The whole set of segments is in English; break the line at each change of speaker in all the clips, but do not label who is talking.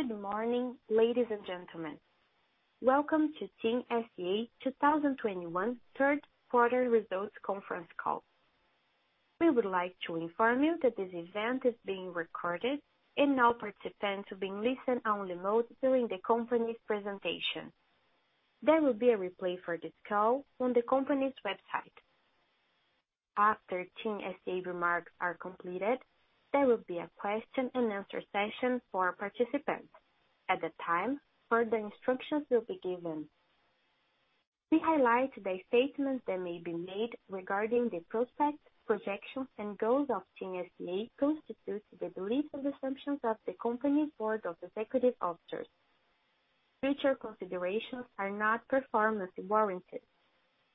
Good morning, ladies and gentlemen. Welcome to TIM S.A. 2021 third quarter results conference call. We would like to inform you that this event is being recorded and now participants will be in listen-only mode during the company's presentation. There will be a replay for this call on the company's website. After TIM S.A. remarks are completed, there will be a question and answer session for participants. At that time, further instructions will be given. We highlight that the statements that may be made regarding the prospects, projections, and goals of TIM S.A. constitute the beliefs and assumptions of the company's Board of Executive Officers. Future considerations are not performance warranties.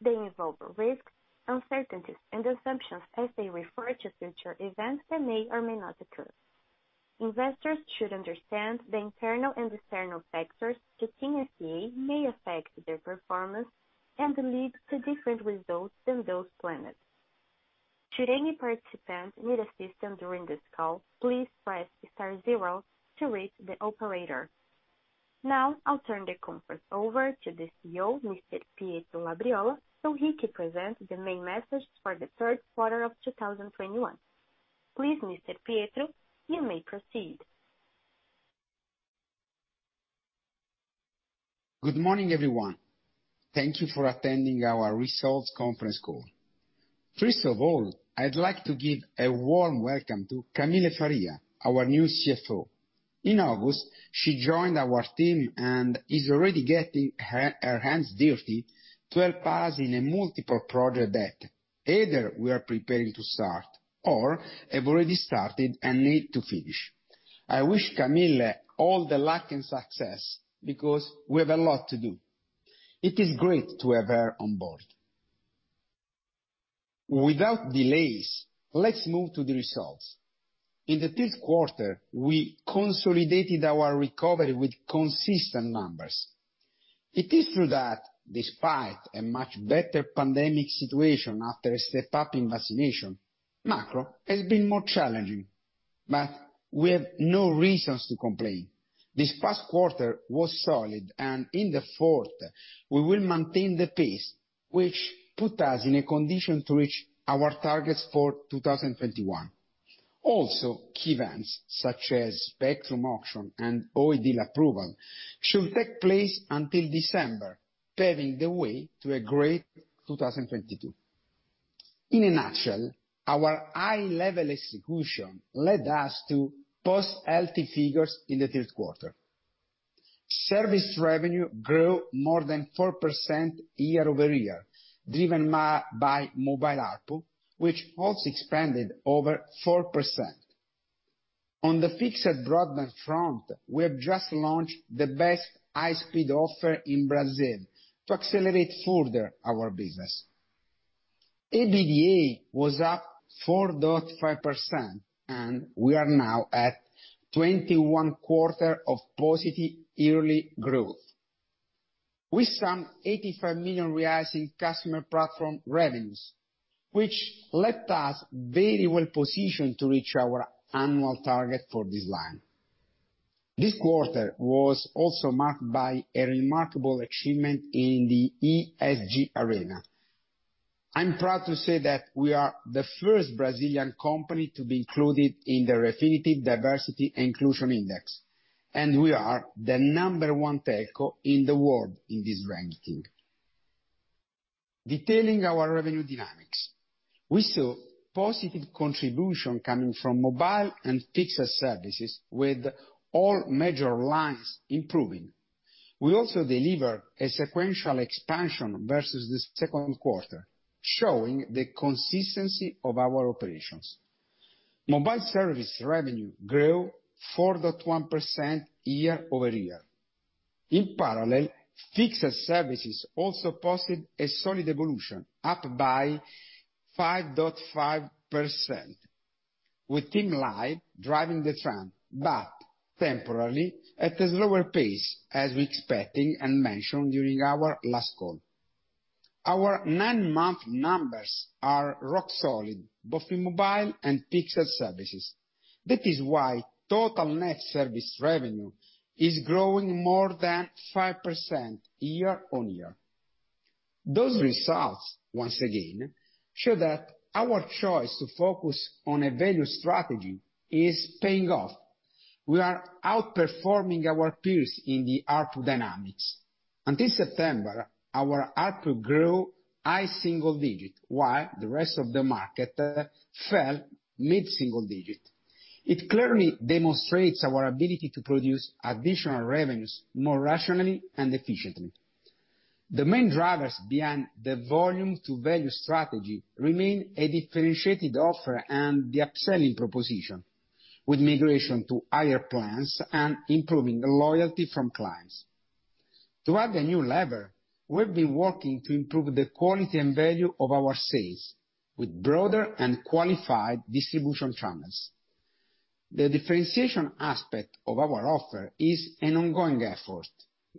They involve risks, uncertainties, and assumptions as they refer to future events that may or may not occur. Investors should understand the internal and external factors that TIM S.A. May affect their performance and lead to different results than those planned. Should any participant need assistance during this call, please press star zero to reach the operator. Now, I'll turn the conference over to the CEO, Mr. Pietro Labriola, so he can present the main message for the third quarter of 2021. Please Mr. Pietro, you may proceed.
Good morning, everyone. Thank you for attending our results conference call. First of all, I'd like to give a warm welcome to Camille Faria, our new CFO. In August, she joined our team and is already getting her hands dirty to help us in multiple projects that either we are preparing to start or have already started and need to finish. I wish Camille all the luck and success because we have a lot to do. It is great to have her on board. Without delays, let's move to the results. In the third quarter, we consolidated our recovery with consistent numbers. It is true that despite a much better pandemic situation after a step up in vaccination, macro has been more challenging, but we have no reasons to complain. This past quarter was solid, and in the fourth we will maintain the pace, which put us in a condition to reach our targets for 2021. Also, key events such as spectrum auction and Oi deal approval should take place until December, paving the way to a great 2022. In a nutshell, our high level execution led us to post healthy figures in the third quarter. Service revenue grew more than 4% year-over-year, driven by mobile ARPU, which also expanded over 4%. On the fixed broadband front, we have just launched the best high speed offer in Brazil to accelerate further our business. EBITDA was up 4.5%, and we are now at 21 quarters of positive yearly growth. With some 85 million reais in customer platform revenues, which left us very well positioned to reach our annual target for this line. This quarter was also marked by a remarkable achievement in the ESG arena. I'm proud to say that we are the first Brazilian company to be included in the Refinitiv Diversity and Inclusion Index, and we are the number one telecom in the world in this ranking. Detailing our revenue dynamics, we saw positive contribution coming from mobile and fixed services with all major lines improving. We also deliver a sequential expansion versus the second quarter, showing the consistency of our operations. Mobile service revenue grew 4.1% year-over-year. In parallel, fixed services also posted a solid evolution up by 5.5%, with TIM Live driving the trend, but temporarily at a slower pace as we expecting and mentioned during our last call. Our nine-month numbers are rock solid, both in mobile and fixed services. That is why total net service revenue is growing more than 5% year-over-year. Those results, once again, show that our choice to focus on a value strategy is paying off. We are outperforming our peers in the ARPU dynamics. Until September, our ARPU grew high single digit, while the rest of the market fell mid-single digit. It clearly demonstrates our ability to produce additional revenues more rationally and efficiently. The main drivers behind the volume to value strategy remain a differentiated offer and the upselling proposition with migration to higher plans and improving the loyalty from clients. To add a new level, we've been working to improve the quality and value of our sales with broader and qualified distribution channels. The differentiation aspect of our offer is an ongoing effort.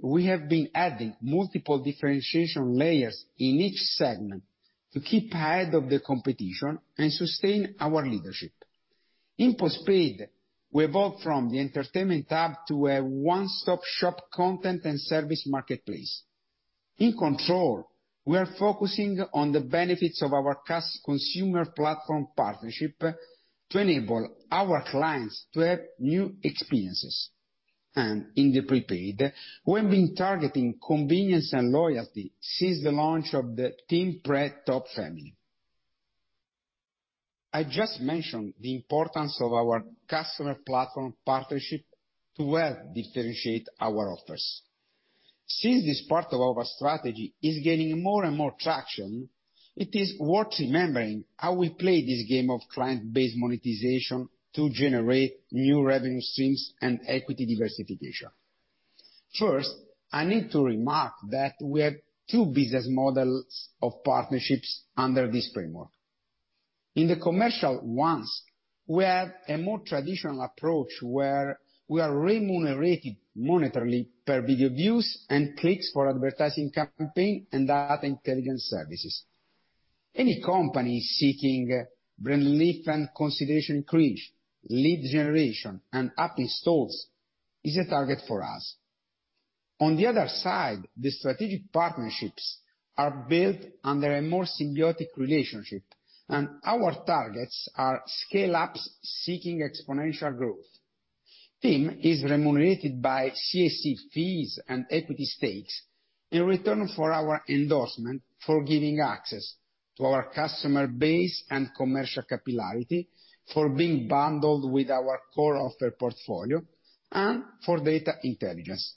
We have been adding multiple differentiation layers in each segment. To keep ahead of the competition and sustain our leadership. In post-paid, we evolved from the entertainment tab to a one-stop shop content and service marketplace. In control, we are focusing on the benefits of our customer platform partnership to enable our clients to have new experiences. In the prepaid, we have been targeting convenience and loyalty since the launch of the TIM Pré TOP family. I just mentioned the importance of our customer platform partnership to well differentiate our offers. Since this part of our strategy is gaining more and more traction, it is worth remembering how we play this game of client-based monetization to generate new revenue streams and equity diversification. First, I need to remark that we have two business models of partnerships under this framework. In the commercial ones, we have a more traditional approach where we are remunerated monetarily per video views and clicks for advertising campaign and data intelligence services. Any company seeking brand lift and consideration increase, lead generation, and app installs is a target for us. On the other side, the strategic partnerships are built under a more symbiotic relationship, and our targets are scale-ups seeking exponential growth. TIM is remunerated by CSC fees and equity stakes in return for our endorsement for giving access to our customer base and commercial capillarity, for being bundled with our core offer portfolio, and for data intelligence.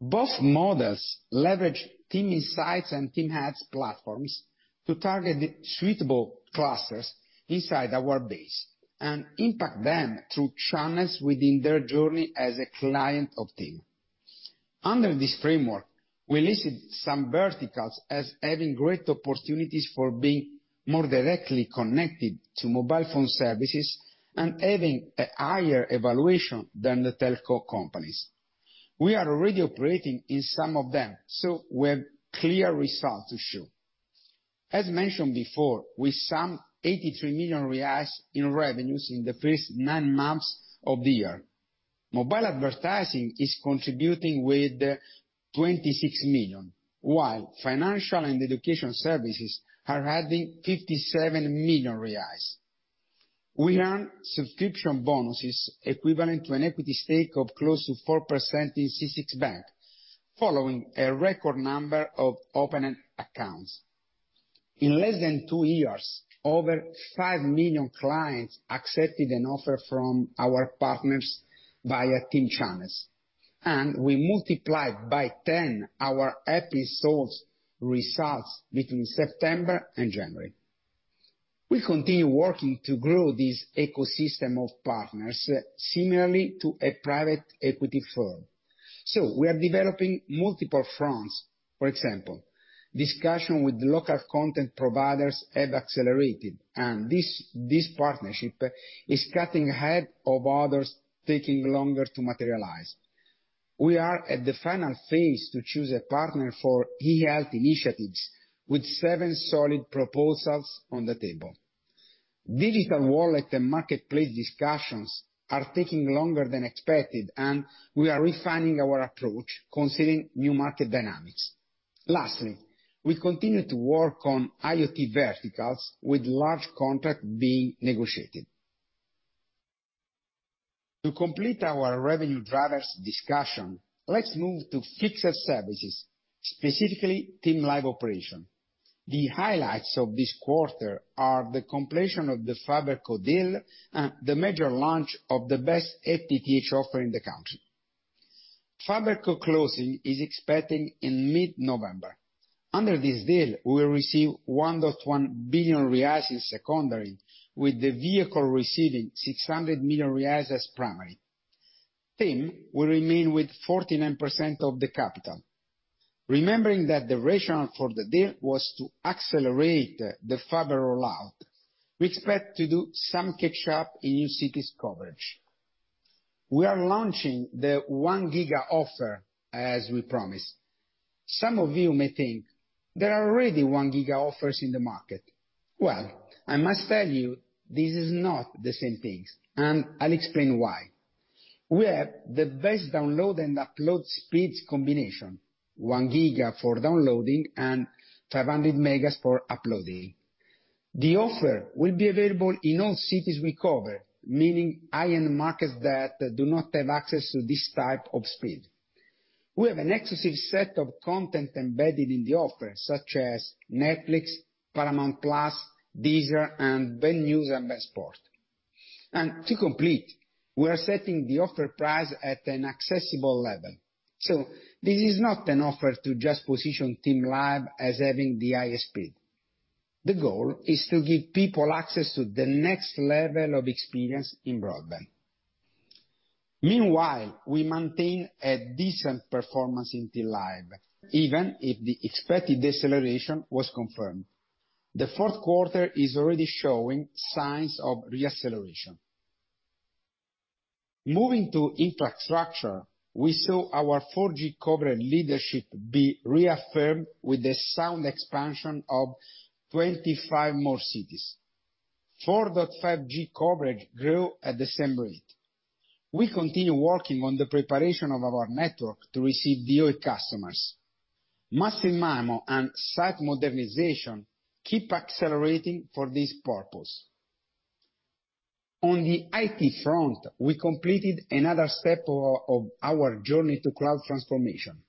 Both models leverage TIM Insights and TIM Ads platforms to target the suitable clusters inside our base and impact them through channels within their journey as a client of TIM. Under this framework, we listed some verticals as having great opportunities for being more directly connected to mobile phone services and having a higher evaluation than the telco companies. We are already operating in some of them, so we have clear results to show. As mentioned before, we sum 83 million reais in revenues in the first nine months of the year. Mobile advertising is contributing with 26 million, while financial and education services are adding 57 million reais. We earn subscription bonuses equivalent to an equity stake of close to 4% in C6 Bank, following a record number of opened accounts. In less than two years, over 5 million clients accepted an offer from our partners via TIM channels, and we multiplied by 10 our app installs results between September and January. We continue working to grow this ecosystem of partners similarly to a private equity firm. We are developing multiple fronts. For example, discussions with local content providers have accelerated, and this partnership is coming ahead of others taking longer to materialize. We are at the final phase to choose a partner for e-health initiatives with seven solid proposals on the table. Digital wallet and marketplace discussions are taking longer than expected, and we are refining our approach considering new market dynamics. Lastly, we continue to work on IoT verticals with large contract being negotiated. To complete our revenue drivers discussion, let's move to fixed services, specifically TIM Live operation. The highlights of this quarter are the completion of the FiberCop deal and the major launch of the best FTTH offer in the country. FiberCop closing is expected in mid-November. Under this deal, we'll receive 1.1 billion reais in secondary, with the vehicle receiving 600 million reais as primary. TIM will remain with 49% of the capital. Remembering that the rationale for the deal was to accelerate the fiber rollout, we expect to do some catch up in new cities coverage. We are launching the 1 giga offer as we promised. Some of you may think there are already 1 giga offers in the market. Well, I must tell you, this is not the same things, and I'll explain why. We have the best download and upload speeds combination, 1 giga for downloading and 500 megas for uploading. The offer will be available in all cities we cover, meaning high-end markets that do not have access to this type of speed. We have an exclusive set of content embedded in the offer, such as Netflix, Paramount+, Deezer, and BandNews and BandSports. To complete, we are setting the offer price at an accessible level. This is not an offer to just position TIM Live as having the highest speed. The goal is to give people access to the next level of experience in broadband. Meanwhile, we maintain a decent performance in TIM Live, even if the expected deceleration was confirmed. The fourth quarter is already showing signs of re-acceleration. Moving to infrastructure, we saw our 4G coverage leadership be reaffirmed with the sound expansion of 25 more cities. 4.5G coverage grew at the same rate. We continue working on the preparation of our network to receive the Oi customers. Massive MIMO and site modernization keep accelerating for this purpose. On the IT front, we completed another step of our journey to cloud transformation.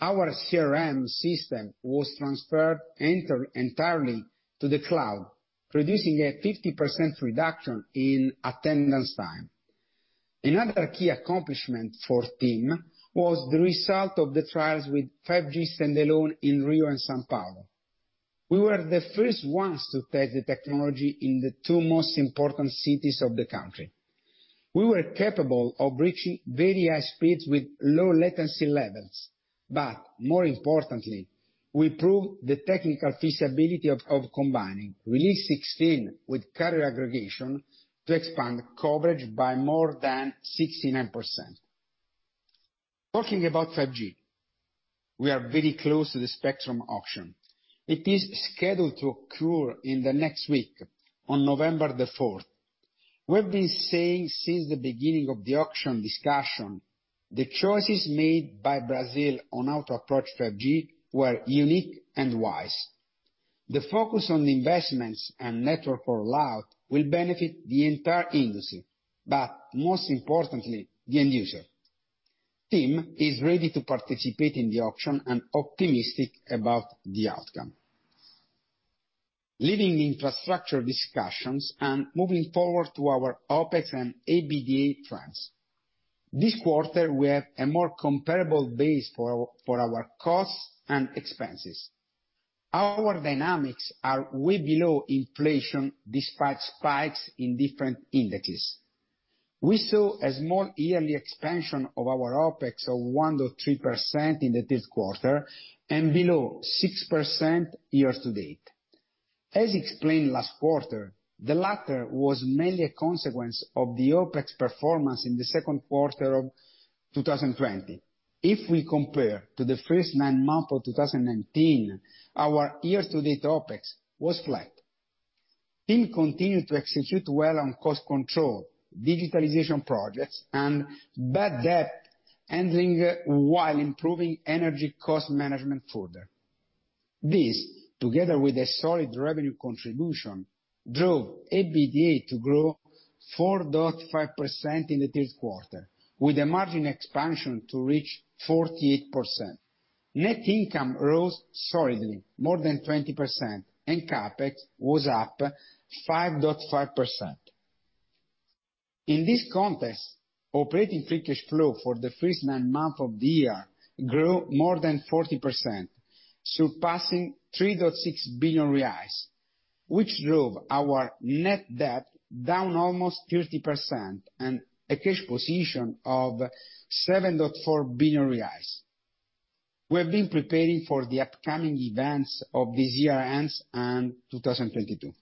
Our CRM system was transferred entirely to the cloud, producing a 50% reduction in attendance time. Another key accomplishment for team was the result of the trials with 5G standalone in Rio and São Paulo. We were the first ones to test the technology in the two most important cities of the country. We were capable of reaching very high speeds with low latency levels, but more importantly, we proved the technical feasibility of combining Release 16 with carrier aggregation to expand coverage by more than 69%. Talking about 5G, we are very close to the spectrum auction. It is scheduled to occur in the next week on 4 November. We've been saying since the beginning of the auction discussion, the choices made by Brazil on how to approach 5G were unique and wise. The focus on investments and network rollout will benefit the entire industry, but most importantly, the end user. TIM is ready to participate in the auction and optimistic about the outcome. Leaving infrastructure discussions and moving forward to our OpEx and EBITDA trends. This quarter, we have a more comparable base for our costs and expenses. Our dynamics are way below inflation despite spikes in different indices. We saw a small yearly expansion of our OpEx of 1%-3% in the third quarter and below 6% year-to-date. As explained last quarter, the latter was mainly a consequence of the OpEx performance in the second quarter of 2020. If we compare to the first nine months of 2019, our year-to-date OpEx was flat. TIM continued to execute well on cost control, digitalization projects and bad debt handling while improving energy cost management further. This, together with a solid revenue contribution, drove EBITDA to grow 4.5% in the third quarter with a margin expansion to reach 48%. Net income rose solidly more than 20% and CapEx was up 5.5%. In this context, operating free cash flow for the first nine months of the year grew more than 40%, surpassing 3.6 billion reais, which drove our net debt down almost 30% and a cash position of 7.4 billion reais. We have been preparing for the upcoming events of this year ends and 2022.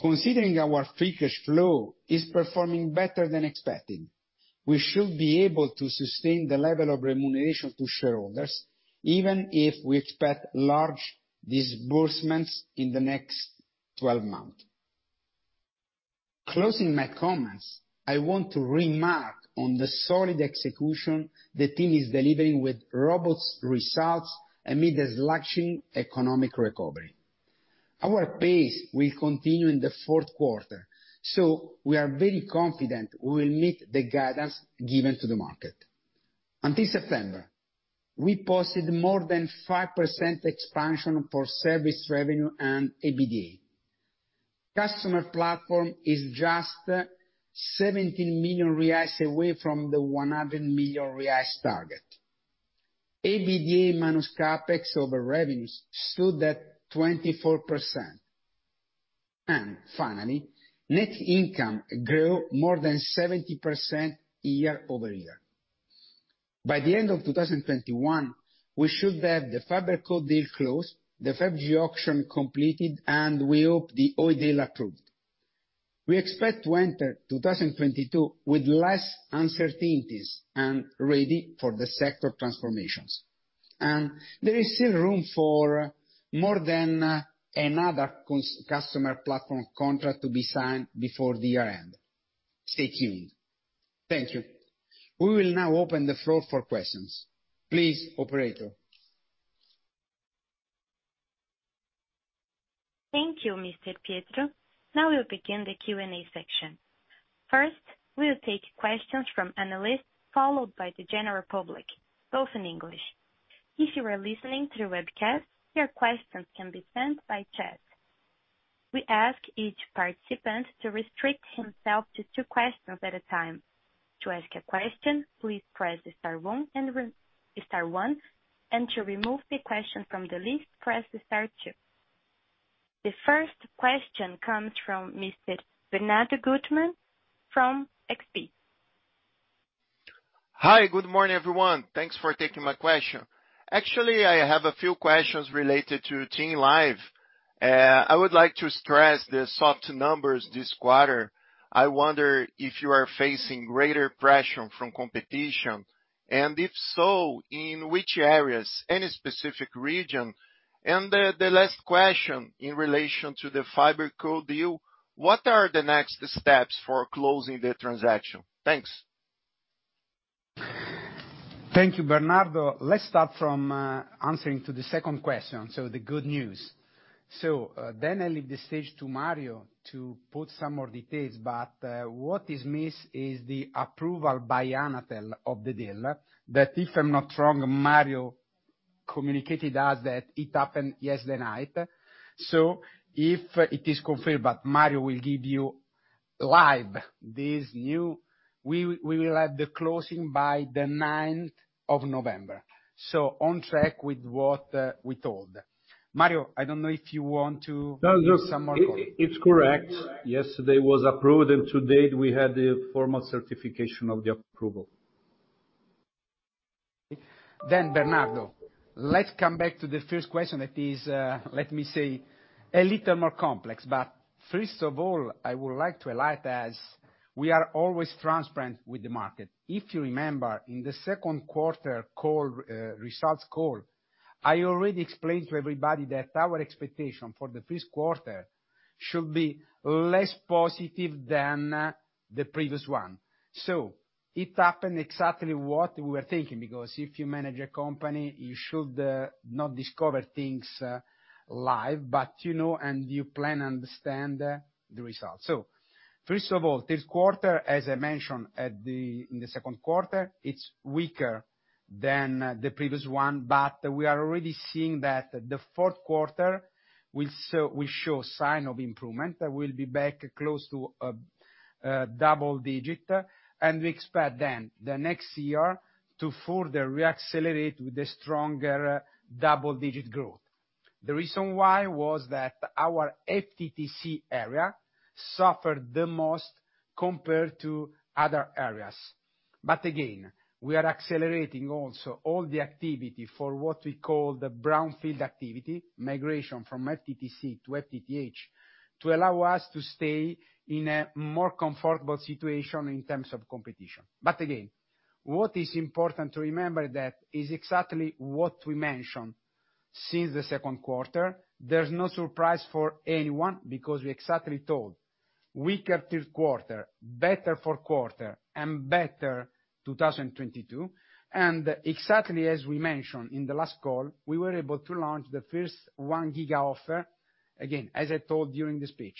Considering our free cash flow is performing better than expected, we should be able to sustain the level of remuneration to shareholders, even if we expect large disbursements in the next 12 months. Closing my comments, I want to remark on the solid execution the team is delivering with robust results amid a lagging economic recovery. Our pace will continue in the fourth quarter, so we are very confident we will meet the guidance given to the market. Until September, we posted more than 5% expansion for service revenue and EBITDA. Customer platform is just 17 million reais away from the 100 million reais target. EBITDA minus CapEx over revenues stood at 24%. Finally, net income grew more than 70% year-over-year. By the end of 2021, we should have the FiberCop deal closed, the 5G auction completed, and we hope the Oi deal approved. We expect to enter 2022 with less uncertainties and ready for the sector transformations. There is still room for more than another customer platform contract to be signed before the year end. Stay tuned. Thank you. We will now open the floor for questions. Please, operator.
Thank you, Mr. Pietro. Now we'll begin the Q&A section. First, we'll take questions from analysts, followed by the general public, both in English. If you are listening through webcast, your questions can be sent by chat. We ask each participant to restrict himself to two questions at a time. To ask a question, please press star one and re-star one, and to remove the question from the list, press star two. The first question comes from Mr. Bernardo Guttmann from XP.
Hi. Good morning, everyone. Thanks for taking my question. Actually, I have a few questions related to TIM Live. I would like to address the soft numbers this quarter. I wonder if you are facing greater pressure from competition, and if so, in which areas, any specific region? The last question in relation to the FiberCop deal, what are the next steps for closing the transaction? Thanks.
Thank you, Bernardo. Let's start from answering the second question, the good news. I leave the stage to Mario to put some more details, but what is missing is the approval by Anatel of the deal that if I'm not wrong, Mario communicated us that it happened yesterday night. If it is confirmed, Mario will give you live this news. We will have the closing by the 9th of November. On track with what we told. Mario, I don't know if you want to.
No.
Give some more comment.
It's correct. Yesterday was approved, and today we had the formal certification of the approval.
Bernardo, let's come back to the first question that is, let me say, a little more complex. First of all, I would like to highlight as we are always transparent with the market. If you remember, in the second quarter call, results call, I already explained to everybody that our expectation for the first quarter should be less positive than the previous one. It happened exactly what we were thinking, because if you manage a company, you should not discover things live, but you know, and you plan and understand the results. First of all, this quarter, as I mentioned in the second quarter, it's weaker than the previous one, but we are already seeing that the fourth quarter will show sign of improvement. We'll be back close to a double digit, and we expect then the next year to further re-accelerate with a stronger double digit growth. The reason why was that our FTTC area suffered the most compared to other areas. We are accelerating also all the activity for what we call the brownfield activity, migration from FTTC to FTTH, to allow us to stay in a more comfortable situation in terms of competition. What is important to remember that is exactly what we mentioned since the second quarter, there's no surprise for anyone because we exactly told weaker third quarter, better fourth quarter and better 2022. Exactly as we mentioned in the last call, we were able to launch the first 1 giga offer. Again, as I told during the speech,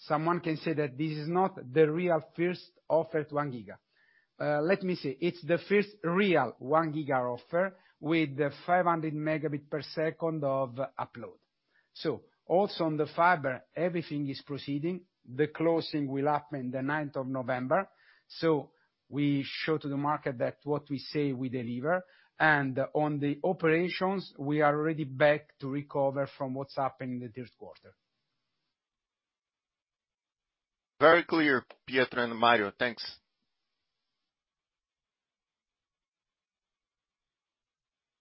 someone can say that this is not the real first offer to 1 giga. Let me say, it's the first real 1 giga offer with 500 Mbps of upload. Also on the fiber, everything is proceeding. The closing will happen the 9th of November. We show to the market that what we say, we deliver. On the operations, we are already back to recover from what's happened in the third quarter.
Very clear, Pietro and Mario. Thanks.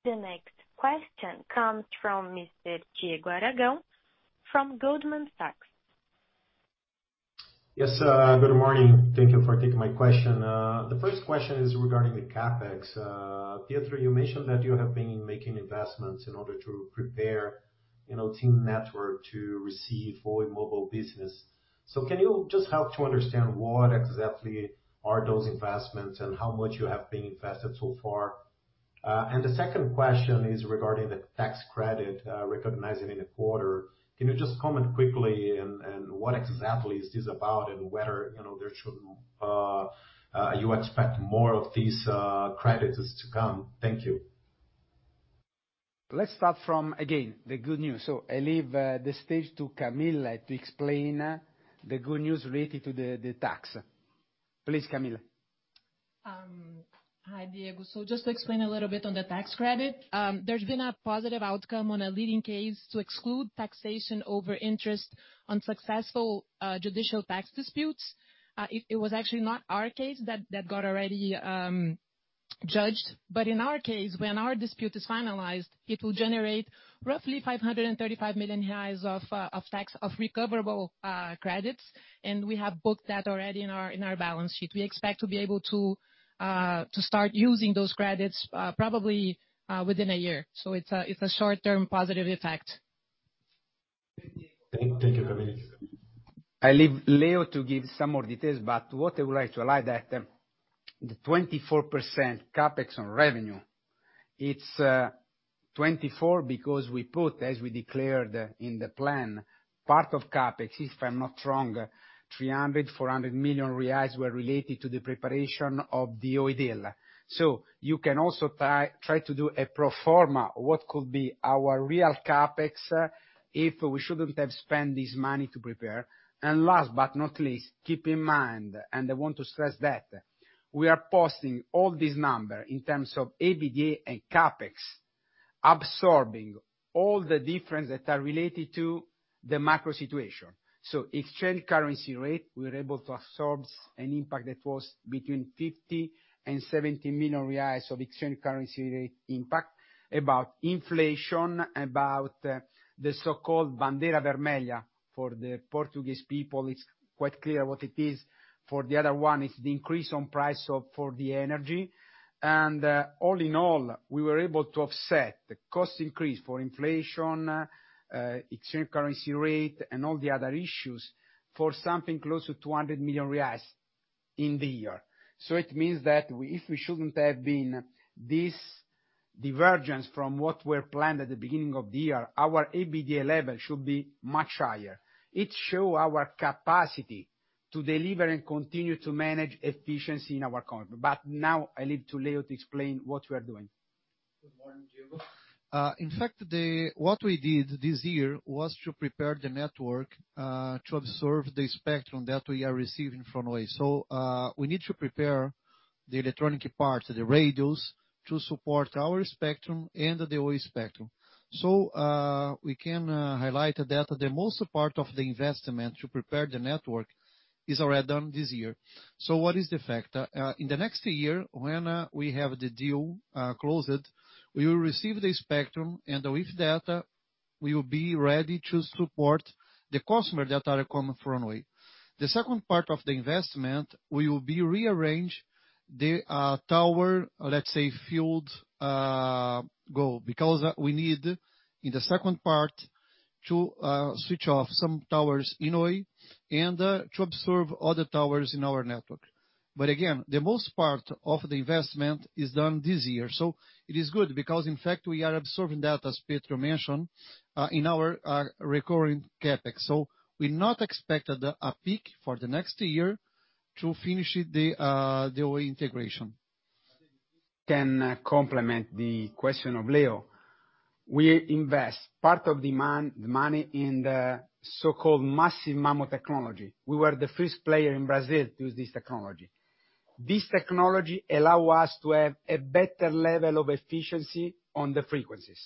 The next question comes from Mr. Diego Aragão from Goldman Sachs.
Yes, good morning. Thank you for taking my question. The first question is regarding the CapEx. Pietro, you mentioned that you have been making investments in order to prepare, you know, TIM network to receive the mobile business. Can you just help to understand what exactly are those investments and how much you have invested so far? The second question is regarding the tax credit recognized in the quarter. Can you just comment quickly on what exactly this is about and whether you expect more of these credits to come. Thank you.
Let's start again with the good news. I leave the stage to Camille to explain the good news related to the tax. Please, Camille.
Hi, Diego. Just to explain a little bit on the tax credit, there's been a positive outcome on a leading case to exclude taxation over interest on successful judicial tax disputes. It was actually not our case that got already judged. In our case, when our dispute is finalized, it will generate roughly 535 million of recoverable tax credits. We have booked that already in our balance sheet. We expect to be able to start using those credits, probably within a year. It's a short-term positive effect.
Thank you, Camille.
I leave Leo to give some more details, but what I would like to highlight that the 24% CapEx on revenue, it's twenty-four because we put, as we declared in the plan, part of CapEx, if I'm not wrong, 300 million-400 million reais were related to the preparation of the Oi deal. You can also try to do a pro forma, what could be our real CapEx if we shouldn't have spent this money to prepare. Last but not least, keep in mind, and I want to stress that, we are posting all this number in terms of EBITDA and CapEx. Absorbing all the difference that are related to the macro situation. Exchange currency rate, we were able to absorb an impact that was between 50 million and 70 million reais of exchange currency rate impact. About inflation, about the so-called bandeira vermelha for the Portuguese people, it's quite clear what it is. For the other one, it's the increase in price of energy. All in all, we were able to offset the cost increase for inflation, exchange currency rate, and all the other issues for something close to 200 million reais in the year. It means that if we shouldn't have been this divergence from what were planned at the beginning of the year, our EBITDA level should be much higher. It shows our capacity to deliver and continue to manage efficiency in our company. Now I leave to Leo to explain what we are doing.
Good morning, Diego. In fact, what we did this year was to prepare the network to absorb the spectrum that we are receiving from Oi. We need to prepare the electronic parts, the radios, to support our spectrum and the Oi spectrum. We can highlight that the most part of the investment to prepare the network is already done this year. What is the factor? In the next year, when we have the deal closed, we will receive the spectrum, and with that, we will be ready to support the customer that are coming from Oi. The second part of the investment will be rearrange the tower, let's say, field goal, because we need, in the second part, to switch off some towers in Oi and to absorb other towers in our network. Again, the most part of the investment is done this year. It is good because, in fact, we are absorbing that, as Pietro mentioned, in our recurring CapEx. We do not expect a peak for the next year to finish the Oi integration.
can complement the question of Leo. We invest part of the money in the so-called Massive MIMO technology. We were the first player in Brazil to use this technology. This technology allow us to have a better level of efficiency on the frequencies.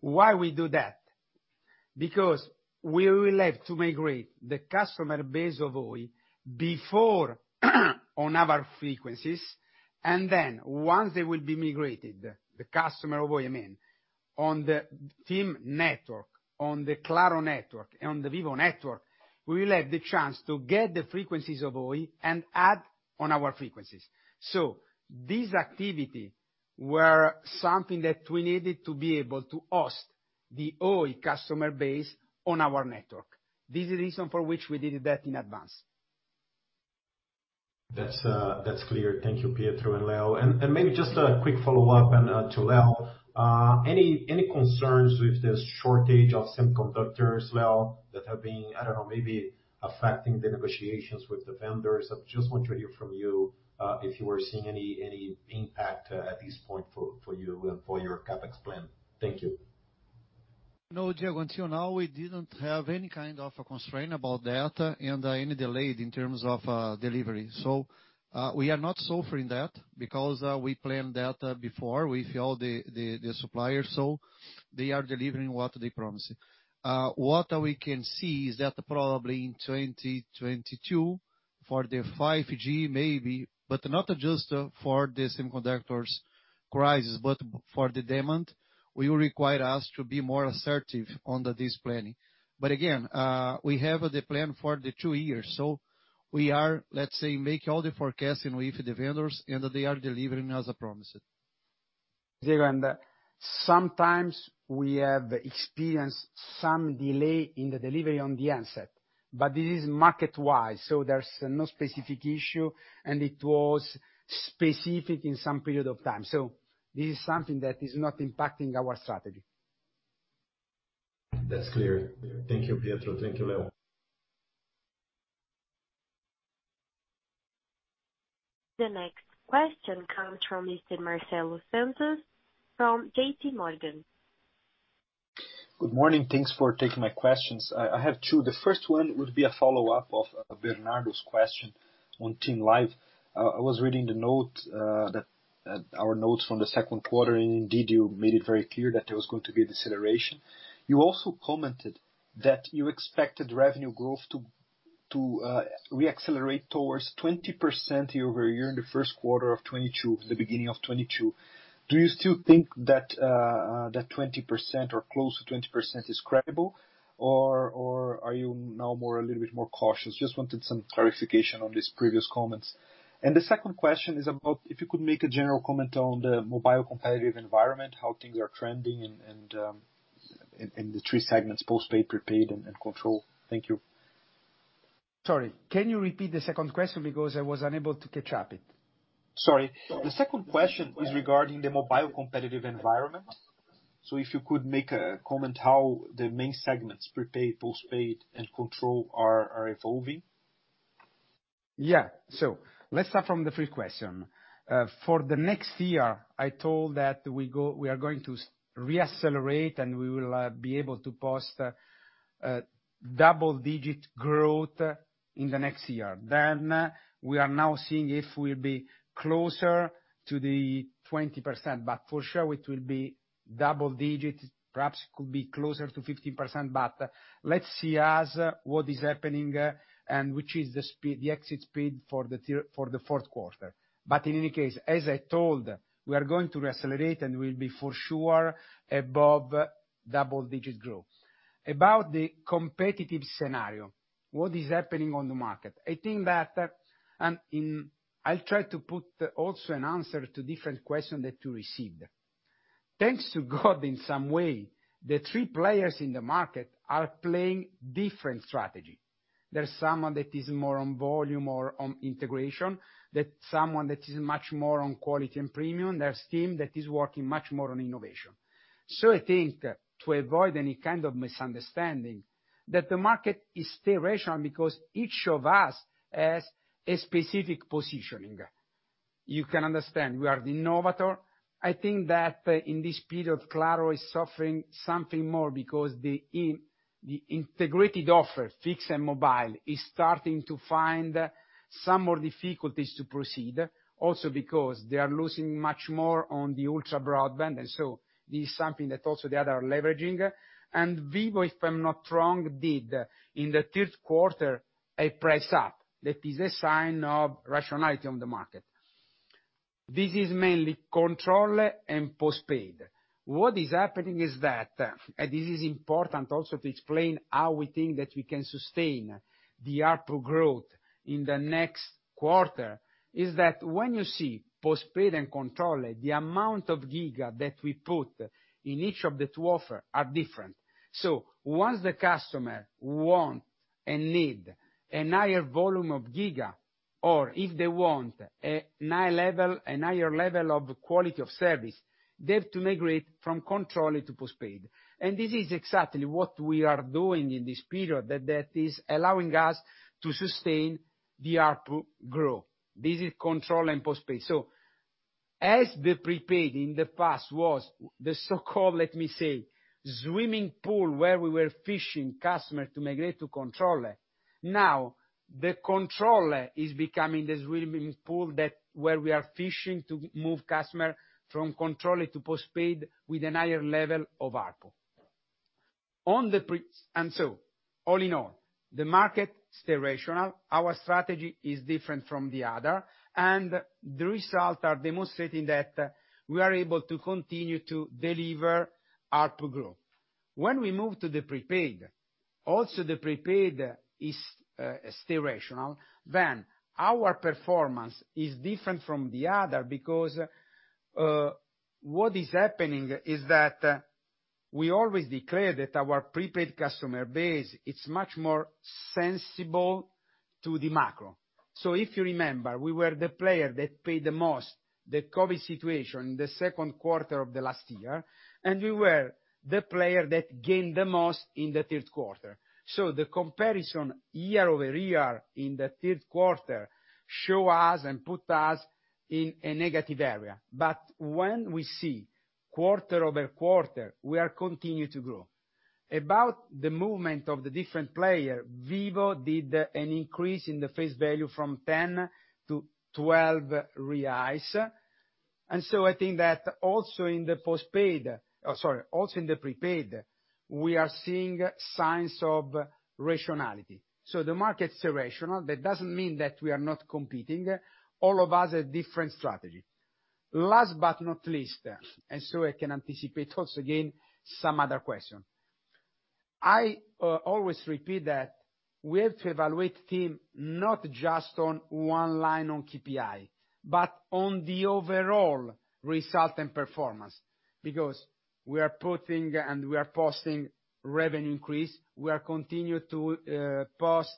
Why we do that? Because we will have to migrate the customer base of Oi before on our frequencies. Then once they will be migrated, the customer of Oi, I mean, on the TIM network, on the Claro network, on the Vivo network, we will have the chance to get the frequencies of Oi and add on our frequencies. These activity were something that we needed to be able to host the Oi customer base on our network. This is the reason for which we did that in advance.
That's clear. Thank you, Pietro and Leo. Maybe just a quick follow-up and to Leo. Any concerns with this shortage of semiconductors, Leo, that have been, I don't know, maybe affecting the negotiations with the vendors? I just want to hear from you, if you are seeing any impact, at this point for you and for your CapEx plan. Thank you.
No, Diego. Until now, we didn't have any kind of a constraint about that and any delay in terms of delivery. We are not suffering that because we planned that before. We filled the suppliers, so they are delivering what they promised. What we can see is that probably in 2022, for the 5G maybe, but not just for the semiconductor crisis, but for the demand, will require us to be more assertive on this planning. Again, we have the plan for the two years. We are, let's say, making all the forecasting with the vendors, and they are delivering as promised.
Diego, sometimes we have experienced some delay in the delivery on the handset, but this is market-wise, so there's no specific issue, and it was specific in some period of time. This is something that is not impacting our strategy.
That's clear. Thank you, Pietro. Thank you, Leo.
The next question comes from Mr. Marcelo Santos from JPMorgan.
Good morning. Thanks for taking my questions. I have two. The first one would be a follow-up of Bernardo's question on TIM Live. I was reading the notes from the second quarter, and indeed, you made it very clear that there was going to be a deceleration. You also commented that you expected revenue growth to re-accelerate towards 20% year-over-year in the first quarter of 2022, the beginning of 2022. Do you still think that 20% or close to 20% is credible? Or are you now a little bit more cautious? Just wanted some clarification on these previous comments. The second question is about if you could make a general comment on the mobile competitive environment, how things are trending and in the three segments, post-paid, pre-paid, and control. Thank you.
Sorry, can you repeat the second question because I was unable to catch it?
Sorry. The second question is regarding the mobile competitive environment. If you could make a comment how the main segments, pre-paid, post-paid, and control are evolving.
Yeah. Let's start from the first question. For the next year, I told that we are going to re-accelerate, and we will be able to post a double-digit growth in the next year. We are now seeing if we'll be closer to the 20%, but for sure it will be double-digit. Perhaps could be closer to 15%, but let's see what is happening and which is the speed, the exit speed for the fourth quarter. In any case, as I told, we are going to re-accelerate and we'll be for sure above double-digit growth. About the competitive scenario, what is happening on the market? I think that I'll try to put also an answer to different question that you received. Thanks to God, in some way, the three players in the market are playing different strategy. There's some that is more on volume or on integration, that someone that is much more on quality and premium. There's team that is working much more on innovation. I think to avoid any kind of misunderstanding that the market is still rational because each of us has a specific positioning. You can understand we are the innovator. I think that in this period, Claro is suffering something more because the integrated offer, fixed and mobile, is starting to find some more difficulties to proceed, also because they are losing much more on the ultra broadband, and so this is something that also the other are leveraging. Vivo, if I'm not wrong, did in the third quarter, a price up, that is a sign of rationality on the market. This is mainly control and postpaid. What is happening is that, and this is important also to explain how we think that we can sustain the output growth in the next quarter, is that when you see postpaid and control, the amount of giga that we put in each of the two offer are different. Once the customer want and need a higher volume of giga or if they want a higher level of quality of service, they have to migrate from control to postpaid. This is exactly what we are doing in this period, that is allowing us to sustain the output growth. This is control and postpaid. As the prepaid in the past was the so-called, let me say, swimming pool, where we were fishing customer to migrate to control. Now, the control is becoming the swimming pool where we are fishing to move customers from control to postpaid with a higher level of output. All in all, the market stays rational. Our strategy is different from the others, and the results are demonstrating that we are able to continue to deliver output growth. When we move to the prepaid, also the prepaid is still rational. Our performance is different from the others because what is happening is that we always declare that our prepaid customer base is much more sensitive to the macro. If you remember, we were the player that paid the most, the COVID situation in the second quarter of the last year, and we were the player that gained the most in the third quarter. The comparison year-over-year in the third quarter shows us and puts us in a negative area. When we see quarter-over-quarter, we continue to grow. About the movement of the different players, Vivo did an increase in the face value from 10-12 reais. I think that also in the postpaid, oh, sorry, also in the prepaid, we are seeing signs of rationality. The market's rational. That doesn't mean that we are not competing. All of us have different strategy. Last but not least, I can anticipate also again some other question. I always repeat that we have to evaluate the team not just on one line on KPI, but on the overall result and performance. Because we are posting revenue increase, we are continuing to post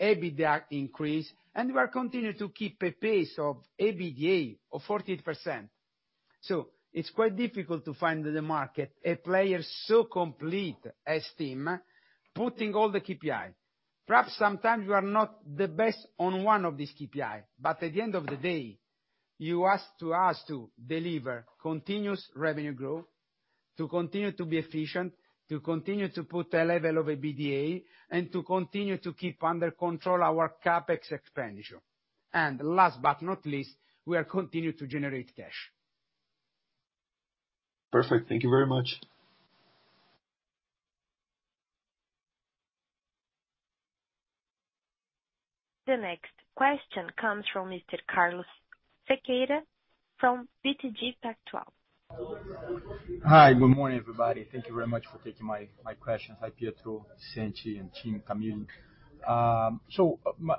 EBITDA increase, and we are continuing to keep a pace of EBITDA of 14%. It's quite difficult to find in the market a player so complete as TIM, putting all the KPI. Perhaps sometimes you are not the best on one of these KPI, but at the end of the day, you asked us to deliver continuous revenue growth, to continue to be efficient, to continue to put a level of EBITDA, and to continue to keep under control our CapEx expenditure. Last but not least, we are continuing to generate cash.
Perfect. Thank you very much.
The next question comes from Mr. Carlos Sequeira from BTG Pactual.
Hi, good morning, everybody. Thank you very much for taking my questions. Hi, Pietro, Griselli and team, Camille.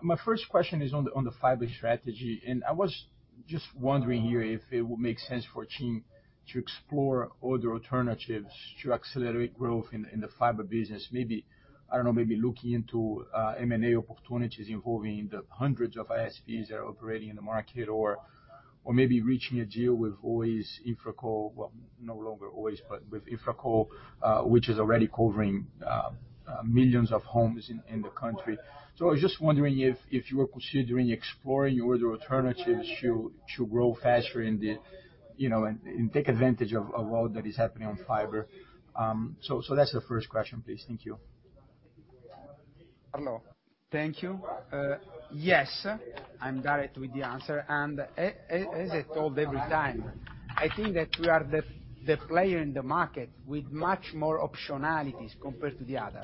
My first question is on the fiber strategy, and I was just wondering here if it would make sense for TIM to explore other alternatives to accelerate growth in the fiber business. Maybe, I don't know, maybe looking into M&A opportunities involving the hundreds of ISPs that are operating in the market or maybe reaching a deal with Oi's InfraCo. Well, no longer Oi's, but with InfraCo, which is already covering millions of homes in the country. I was just wondering if you are considering exploring other alternatives to grow faster in the, you know, and take advantage of what's happening on fiber. That's the first question, please. Thank you.
Carlos. Thank you. Yes, I'm direct with the answer. As I told every time, I think that we are the player in the market with much more optionalities compared to the other.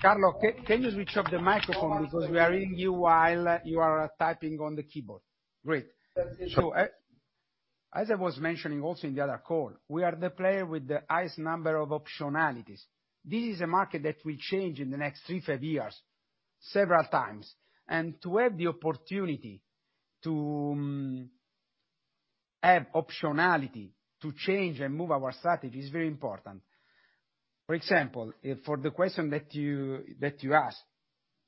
Carlos, can you switch off the microphone because we are hearing you while you are typing on the keyboard? Great. As I was mentioning also in the other call, we are the player with the highest number of optionalities. This is a market that will change in the next three, five years several times. To have the opportunity to have optionality to change and move our strategy is very important. For example, for the question that you asked,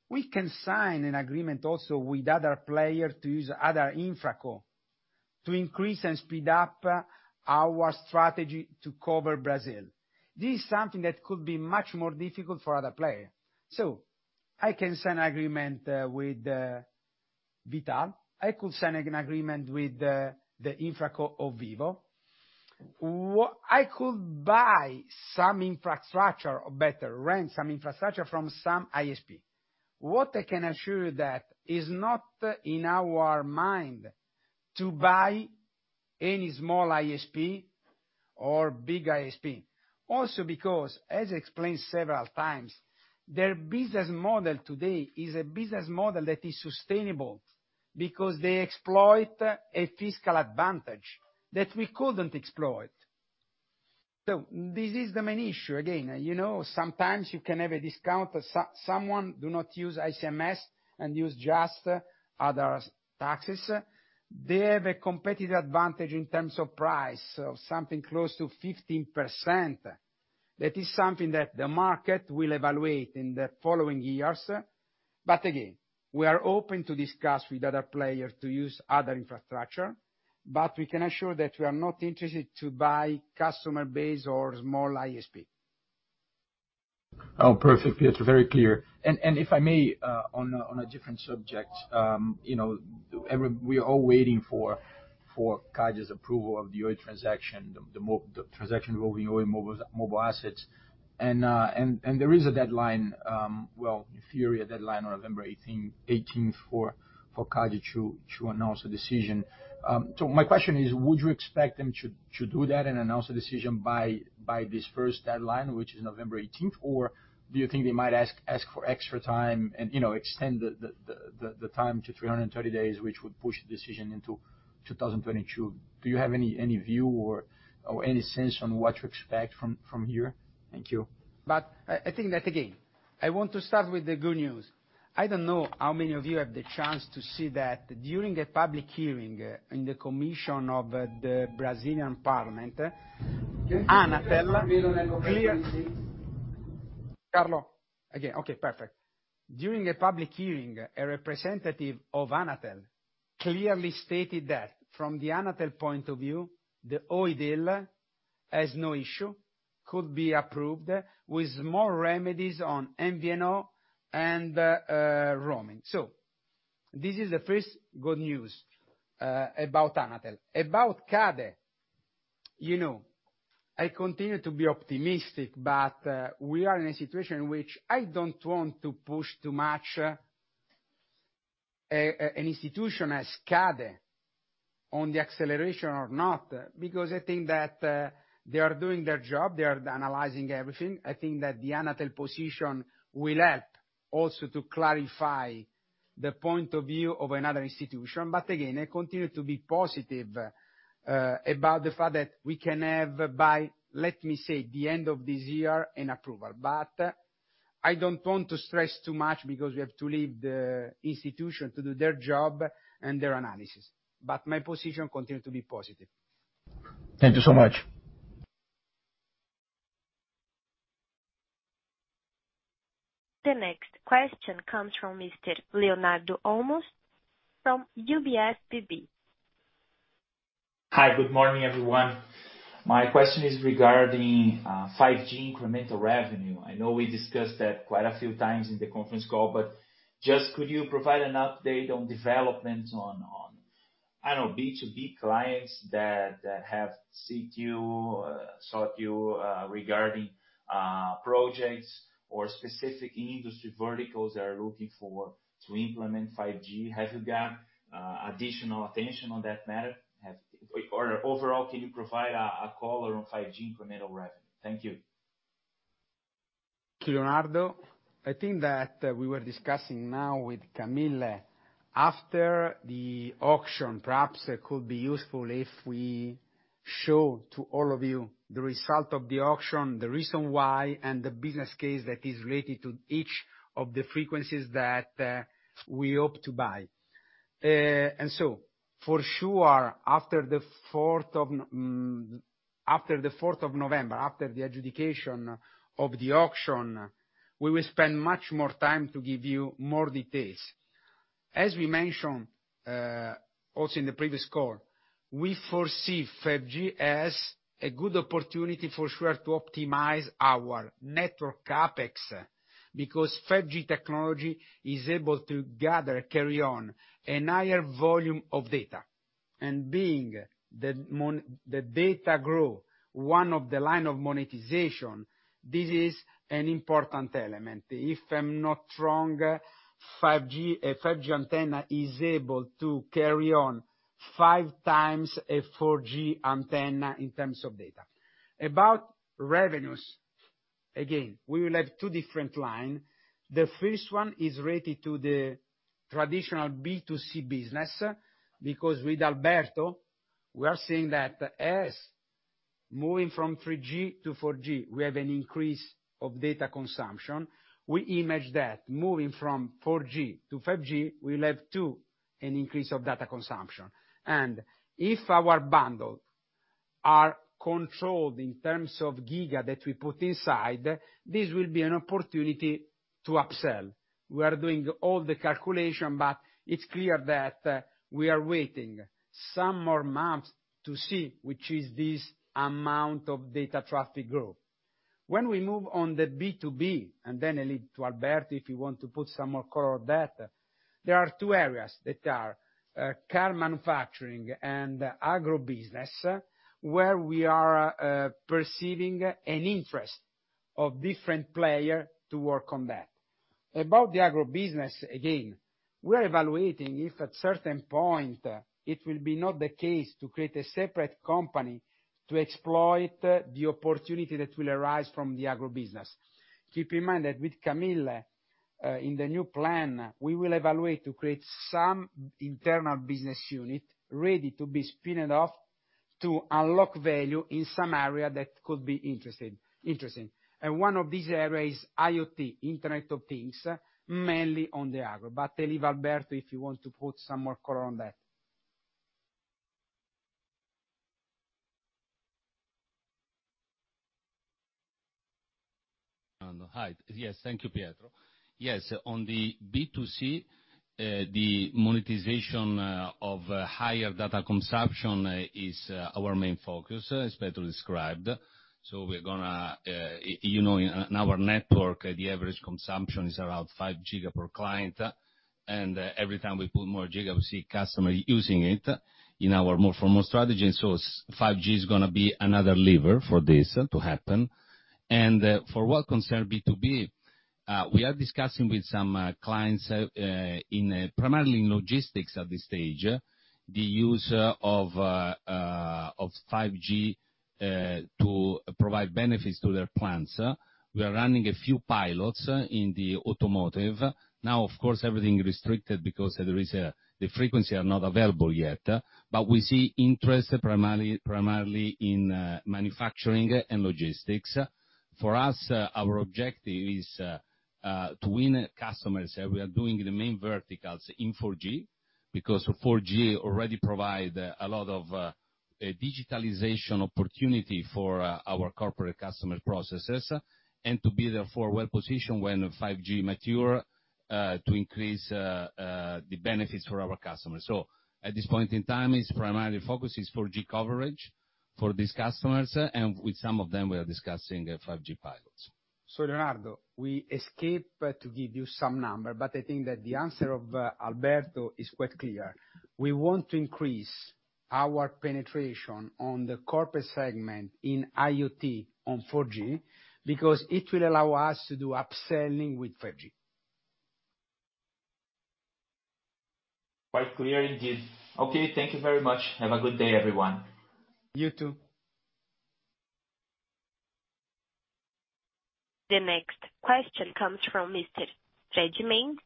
we can sign an agreement also with other player to use other InfraCo to increase and speed up our strategy to cover Brazil. This is something that could be much more difficult for other player. I can sign agreement with V.tal. I could sign agreement with the InfraCo of Vivo. I could buy some infrastructure, or better rent some infrastructure from some ISP. What I can assure you that is not in our mind to buy any small ISP or big ISP. Also because as explained several times, their business model today is a business model that is sustainable because they exploit a fiscal advantage that we couldn't exploit. This is the main issue. Again, you know, sometimes you can have a discount or someone do not use ICMS and use just other taxes. They have a competitive advantage in terms of price of something close to 15%. That is something that the market will evaluate in the following years. Again, we are open to discuss with other players to use other infrastructure, but we can assure that we are not interested to buy customer base or small ISP.
Oh, perfect, Pietro. Very clear. If I may, on a different subject, you know, we are all waiting for CADE's approval of the Oi transaction, the transaction involving Oi Móvel's mobile assets. There is a deadline, well, in theory, a deadline on November 18 for CADE to announce a decision. So my question is, would you expect them to do that and announce a decision by this first deadline, which is November 18? Or do you think they might ask for extra time and, you know, extend the time to 330 days, which would push the decision into 2022. Do you have any view or any sense on what to expect from here? Thank you.
I think that, again, I want to start with the good news. I don't know how many of you had the chance to see that during a public hearing in the commission of the Brazilian parliament, Anatel clear- Again. Okay, perfect. During a public hearing, a representative of Anatel clearly stated that from the Anatel point of view, the Oi deal has no issue, could be approved with more remedies on MVNO and roaming. This is the first good news about Anatel. About CADE, you know, I continue to be optimistic, but we are in a situation which I don't want to push too much an institution as CADE on the acceleration or not, because I think that they are doing their job. They are analyzing everything. I think that the Anatel position will help also to clarify the point of view of another institution. Again, I continue to be positive about the fact that we can have by, let me say, the end of this year, an approval. I don't want to stress too much because we have to leave the institution to do their job and their analysis. My position continue to be positive.
Thank you so much.
The next question comes from Mr. Leonardo Olmos from UBS BB.
Hi, good morning, everyone. My question is regarding 5G incremental revenue. I know we discussed that quite a few times in the conference call, but just could you provide an update on developments on I don't know, B2B clients that have sought you regarding projects or specific industry verticals that are looking for to implement 5G? Have you got additional attention on that matter? Or overall, can you provide a call on 5G incremental revenue? Thank you.
Leonardo, I think that we were discussing now with Camille, after the auction, perhaps it could be useful if we show to all of you the result of the auction, the reason why, and the business case that is related to each of the frequencies that we hope to buy. For sure, after the 4th of November, after the adjudication of the auction, we will spend much more time to give you more details. As we mentioned, also in the previous call, we foresee 5G as a good opportunity for sure to optimize our network CapEx, because 5G technology is able to gather, carry on a higher volume of data. Being the data growth one of the lines of monetization, this is an important element. If I'm not wrong, 5G, a 5G antenna is able to carry 5x a 4G antenna in terms of data. About revenues, again, we will have two different line. The first one is related to the traditional B2C business, because with Alberto, we are seeing that as moving from 3G to 4G, we have an increase of data consumption. We imagine that moving from 4G to 5G, we'll have too an increase of data consumption. If our bundle are controlled in terms of gigs that we put inside, this will be an opportunity to upsell. We are doing all the calculation, but it's clear that we are waiting some more months to see which is this amount of data traffic growth. When we move on the B2B, and then I leave to Alberto if he wants to put some more color on that, there are two areas that are car manufacturing and agrobusiness, where we are perceiving an interest of different players to work on that. About the agrobusiness, again, we are evaluating if at certain point it will not be the case to create a separate company to exploit the opportunity that will arise from the agrobusiness. Keep in mind that with Camille, in the new plan, we will evaluate to create some internal business unit ready to be spun off to unlock value in some area that could be of interest, interesting. One of these areas is IoT, Internet of Things, mainly on the agro. I leave to Alberto if you want to put some more color on that.
Yes, thank you, Pietro. Yes, on the B2C, the monetization of higher data consumption is our main focus, as Pietro described. We're gonna, you know, in our network the average consumption is around 5 giga per client, and every time we put more giga, we see customer using it in our more for more strategy. 5G is gonna be another lever for this to happen. For what concerns B2B, we are discussing with some clients, primarily in logistics at this stage, the use of 5G to provide benefits to their plants. We are running a few pilots in the automotive. Now, of course, everything is restricted because the frequencies are not available yet. We see interest primarily in manufacturing and logistics. For us, our objective is to win customers. We are doing the main verticals in 4G, because 4G already provide a lot of digitalization opportunity for our corporate customer processes, and to be therefore well-positioned when 5G mature to increase the benefits for our customers. At this point in time, its primary focus is 4G coverage for these customers, and with some of them we are discussing 5G pilots.
So yeah, we expect to give you some numbers, but I think that the answer of Alberto is quite clear. We want to increase our penetration on the corporate segment in IoT on 4G, because it will allow us to do upselling with 5G.
Quite clear indeed. Okay, thank you very much. Have a good day, everyone.
You too.
The next question comes from Mr. Fred Mendes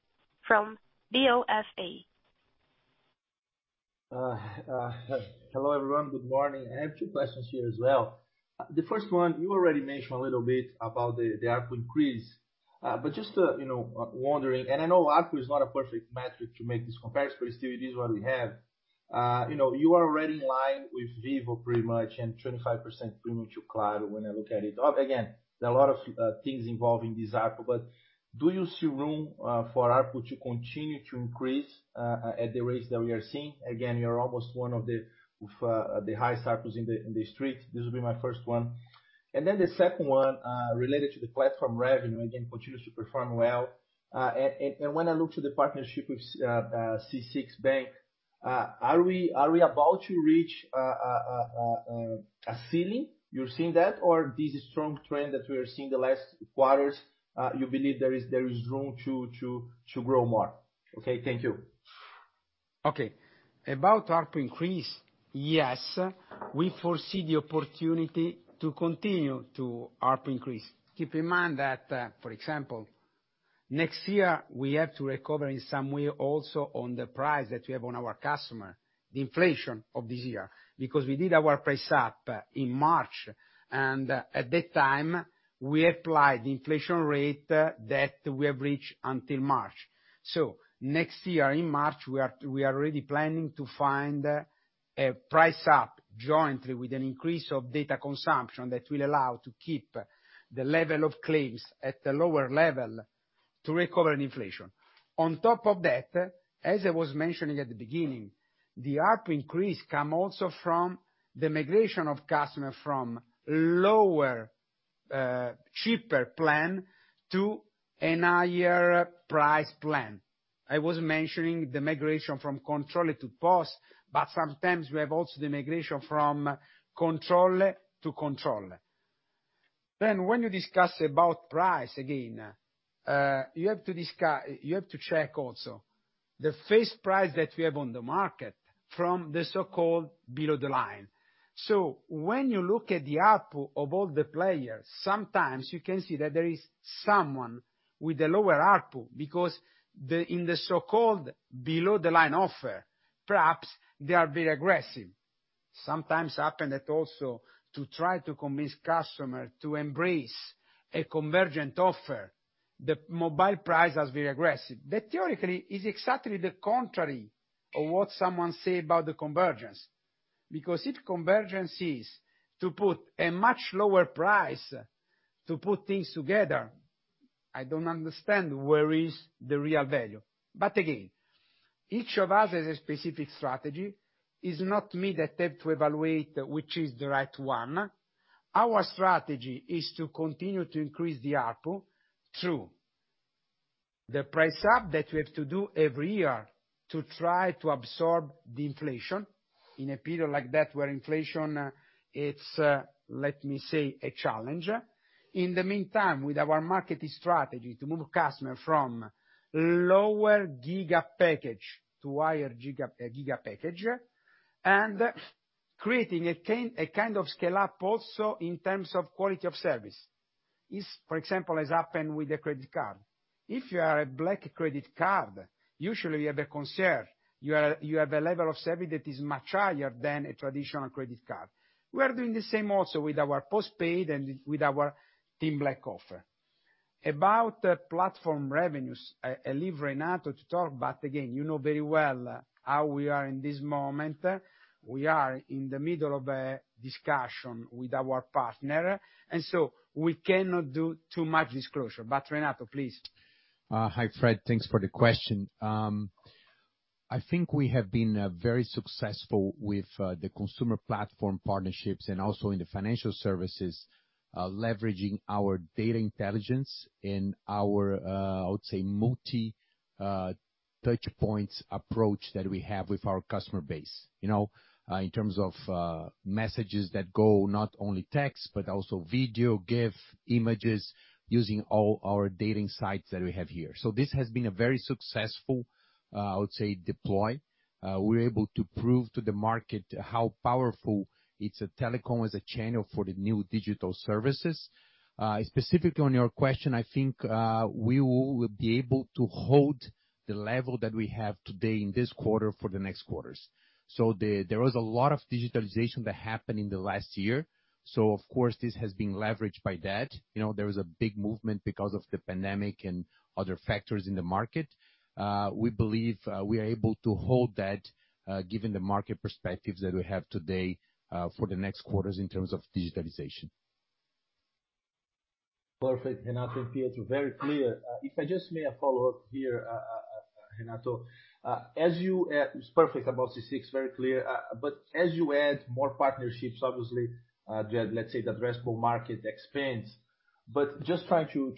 from BofA.
Hello everyone. Good morning. I have two questions here as well. The first one, you already mentioned a little bit about the ARPU increase. But just to, you know, wondering, and I know ARPU is not a perfect metric to make this comparison, but still it is what we have. You know, you are already in line with Vivo pretty much, and 25% premium to Claro when I look at it. Again, there are a lot of things involving this ARPU, but do you see room for ARPU to continue to increase at the rates that we are seeing? Again, you are almost one of the highest ARPUs in the street. This will be my first one. Then the second one related to the platform revenue, again, continues to perform well. When I look to the partnership with C6 Bank, are we about to reach a ceiling? You're seeing that? Or this strong trend that we are seeing the last quarters, you believe there is room to grow more? Okay, thank you.
Okay. About ARPU increase, yes, we foresee the opportunity to continue to ARPU increase. Keep in mind that, for example, next year, we have to recover in some way also on the price that we have on our customer, the inflation of this year, because we did our price up in March, and at that time we applied the inflation rate that we have reached until March. Next year in March, we are already planning to find a price up jointly with an increase of data consumption that will allow to keep the level of claims at the lower level to recover an inflation. On top of that, as I was mentioning at the beginning, the ARPU increase come also from the migration of customer from lower, cheaper plan to an higher price plan. I was mentioning the migration from control to post, but sometimes we have also the migration from control to control. When you discuss about price again, you have to check also the base price that we have on the market from the so-called below the line. When you look at the ARPU of all the players, sometimes you can see that there is someone with a lower ARPU because in the so-called below the line offer, perhaps they are very aggressive. Sometimes happen that also to try to convince customer to embrace a convergent offer, the mobile price has been aggressive. That theoretically is exactly the contrary of what someone say about the convergence. Because if convergence is to put a much lower price to put things together, I don't understand where is the real value. Again, each of us has a specific strategy. It's not me that have to evaluate which is the right one. Our strategy is to continue to increase the ARPU through the price up that we have to do every year to try to absorb the inflation in a period like that where inflation is, let me say, a challenge. In the meantime, with our market strategy to move customer from lower giga package to higher giga package and creating a kind of scale-up also in terms of quality of service. It is, for example, has happened with the credit card. If you have a black credit card, usually you have a concern. You have a level of service that is much higher than a traditional credit card. We are doing the same also with our postpaid and with our TIM Black offer. About platform revenues, I leave Renato to talk, but again, you know very well how we are in this moment. We are in the middle of a discussion with our partner, and so we cannot do too much disclosure. Renato, please.
Hi, Fred. Thanks for the question. I think we have been very successful with the consumer platform partnerships and also in the financial services, leveraging our data intelligence in our I would say multi touch points approach that we have with our customer base. You know, in terms of messages that go not only text, but also video, GIF, images, using all our data insights that we have here. This has been a very successful I would say deploy. We're able to prove to the market how powerful it's a telecom as a channel for the new digital services. Specifically on your question, I think we will be able to hold the level that we have today in this quarter for the next quarters. There was a lot of digitalization that happened in the last year, so of course, this has been leveraged by that. You know, there was a big movement because of the pandemic and other factors in the market. We believe we are able to hold that, given the market perspectives that we have today, for the next quarters in terms of digitalization.
Perfect, Renato and Pietro, very clear. If I may have a follow-up here, Renato. It's perfect about C6, very clear. But as you add more partnerships, obviously, let's say the addressable market expands, but just trying to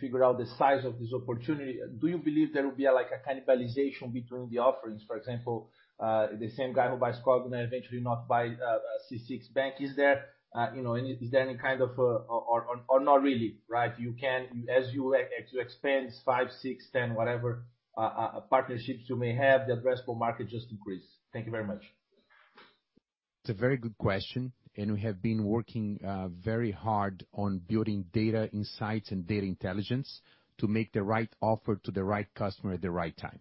figure out the size of this opportunity, do you believe there will be like a cannibalization between the offerings? For example, the same guy who buys Cogna eventually not buy a C6 Bank. Is there any kind of, or not really, right? You can, as you expand five, six, 10, whatever partnerships you may have, the addressable market just increases. Thank you very much.
It's a very good question, and we have been working very hard on building data insights and data intelligence to make the right offer to the right customer at the right time.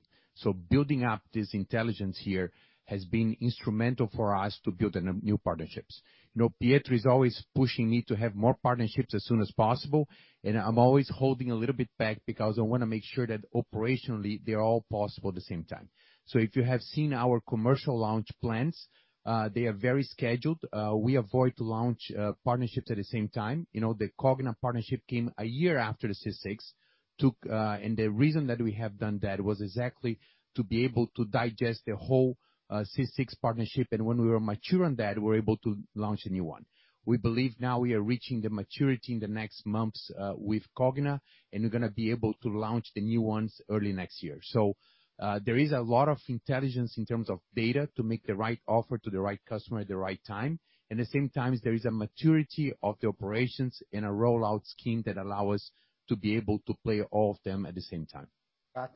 Building up this intelligence here has been instrumental for us to build the new partnerships. You know, Pietro is always pushing me to have more partnerships as soon as possible, and I'm always holding a little bit back because I wanna make sure that operationally they're all possible at the same time. If you have seen our commercial launch plans, they are very scheduled. We avoid to launch partnerships at the same time. You know, the Cogna partnership came a year after the C6 took. The reason that we have done that was exactly to be able to digest the whole C6 partnership. When we were mature on that, we were able to launch a new one. We believe now we are reaching the maturity in the next months, with Cogna, and we're gonna be able to launch the new ones early next year. There is a lot of intelligence in terms of data to make the right offer to the right customer at the right time. At the same time, there is a maturity of the operations in a rollout scheme that allow us to be able to play all of them at the same time.
I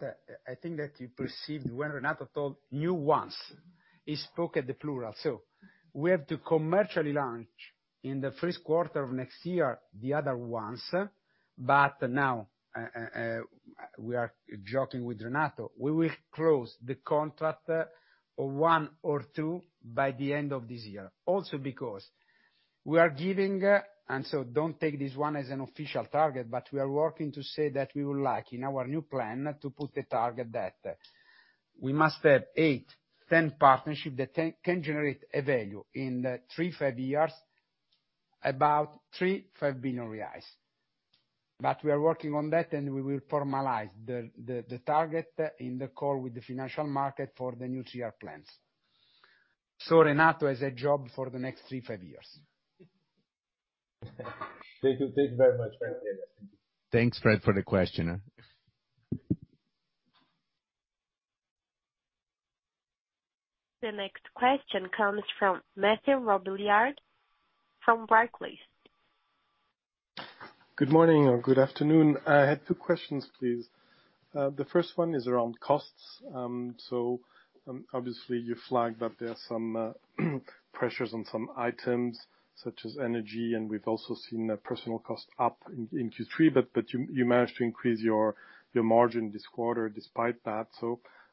think that you perceived when Renato told new ones. He spoke in the plural. We have to commercially launch in the first quarter of next year, the other ones. Now we are joking with Renato, we will close the contract, one or two by the end of this year. Also because we are giving, and so don't take this one as an official target, but we are working to say that we would like, in our new plan, to put the target that we must have 8-10 partnerships that can generate a value in three, five years, about 3 billion-5 billion reais. We are working on that, and we will formalize the target in the call with the financial market for the new year plans. Renato has a job for the next three to five years.
Thank you. Thank you very much.
Thanks, Fred, for the question.
The next question comes from Mathieu Robilliard from Barclays.
Good morning or good afternoon. I had two questions, please. The first one is around costs. Obviously you flagged that there are some pressures on some items such as energy, and we've also seen a personnel cost up in Q3, but you managed to increase your margin this quarter despite that.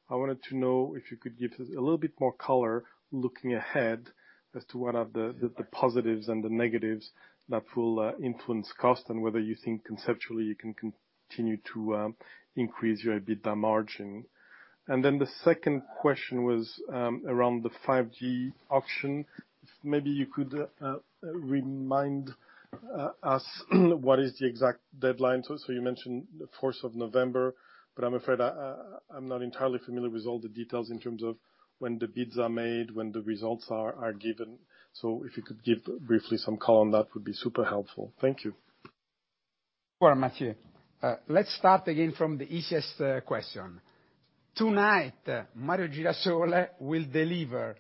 I wanted to know if you could give us a little bit more color looking ahead as to what are the positives and the negatives that will influence cost and whether you think conceptually you can continue to increase your EBITDA margin. Then the second question was around the 5G auction. Maybe you could remind us what is the exact deadline? You mentioned the 4th of November, but I'm afraid I'm not entirely familiar with all the details in terms of when the bids are made, when the results are given. If you could give briefly some color on that would be super helpful. Thank you.
Sure, Mathieu. Let's start again from the easiest question. Tonight, Mario Girasole will deliver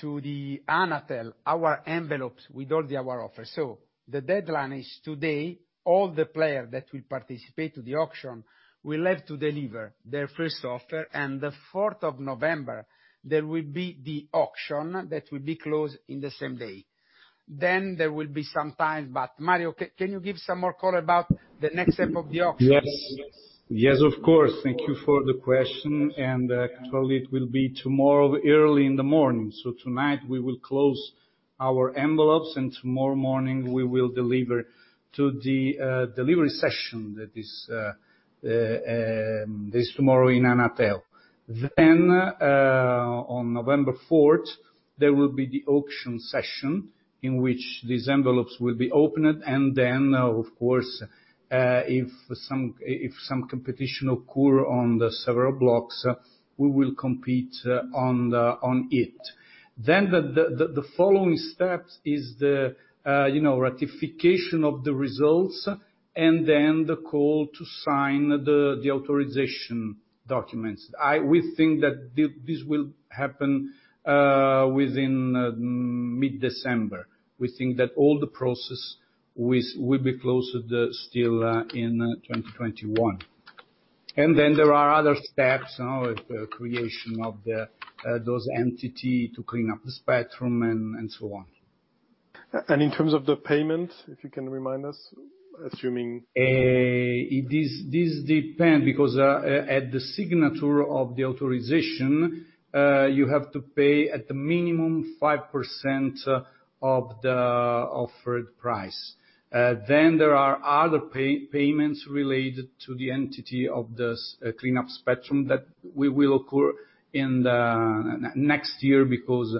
to the Anatel our envelopes with all our offers. The deadline is today. All the player that will participate to the auction will have to deliver their first offer. The 4th of November, there will be the auction that will be closed in the same day. There will be some time. Mario, can you give some more color about the next step of the auction?
Yes. Yes, of course. Thank you for the question, and actually it will be tomorrow, early in the morning. Tonight we will close our envelopes, and tomorrow morning we will deliver to the delivery session that is this tomorrow in Anatel. On November fourth, there will be the auction session in which these envelopes will be opened. Of course, if some competition occur on the several blocks, we will compete on it. The following steps is the you know, ratification of the results and then the call to sign the authorization documents. We think that this will happen within mid-December. We think that all the process will be closed still in 2021. Then there are other steps, you know, with the creation of the EAF to clean up the spectrum and so on.
In terms of the payment, if you can remind us, assuming.
This depends because at the signature of the authorization, you have to pay a minimum 5% of the offered price. Then there are other payments related to the entity of this cleanup spectrum that will occur in the next year because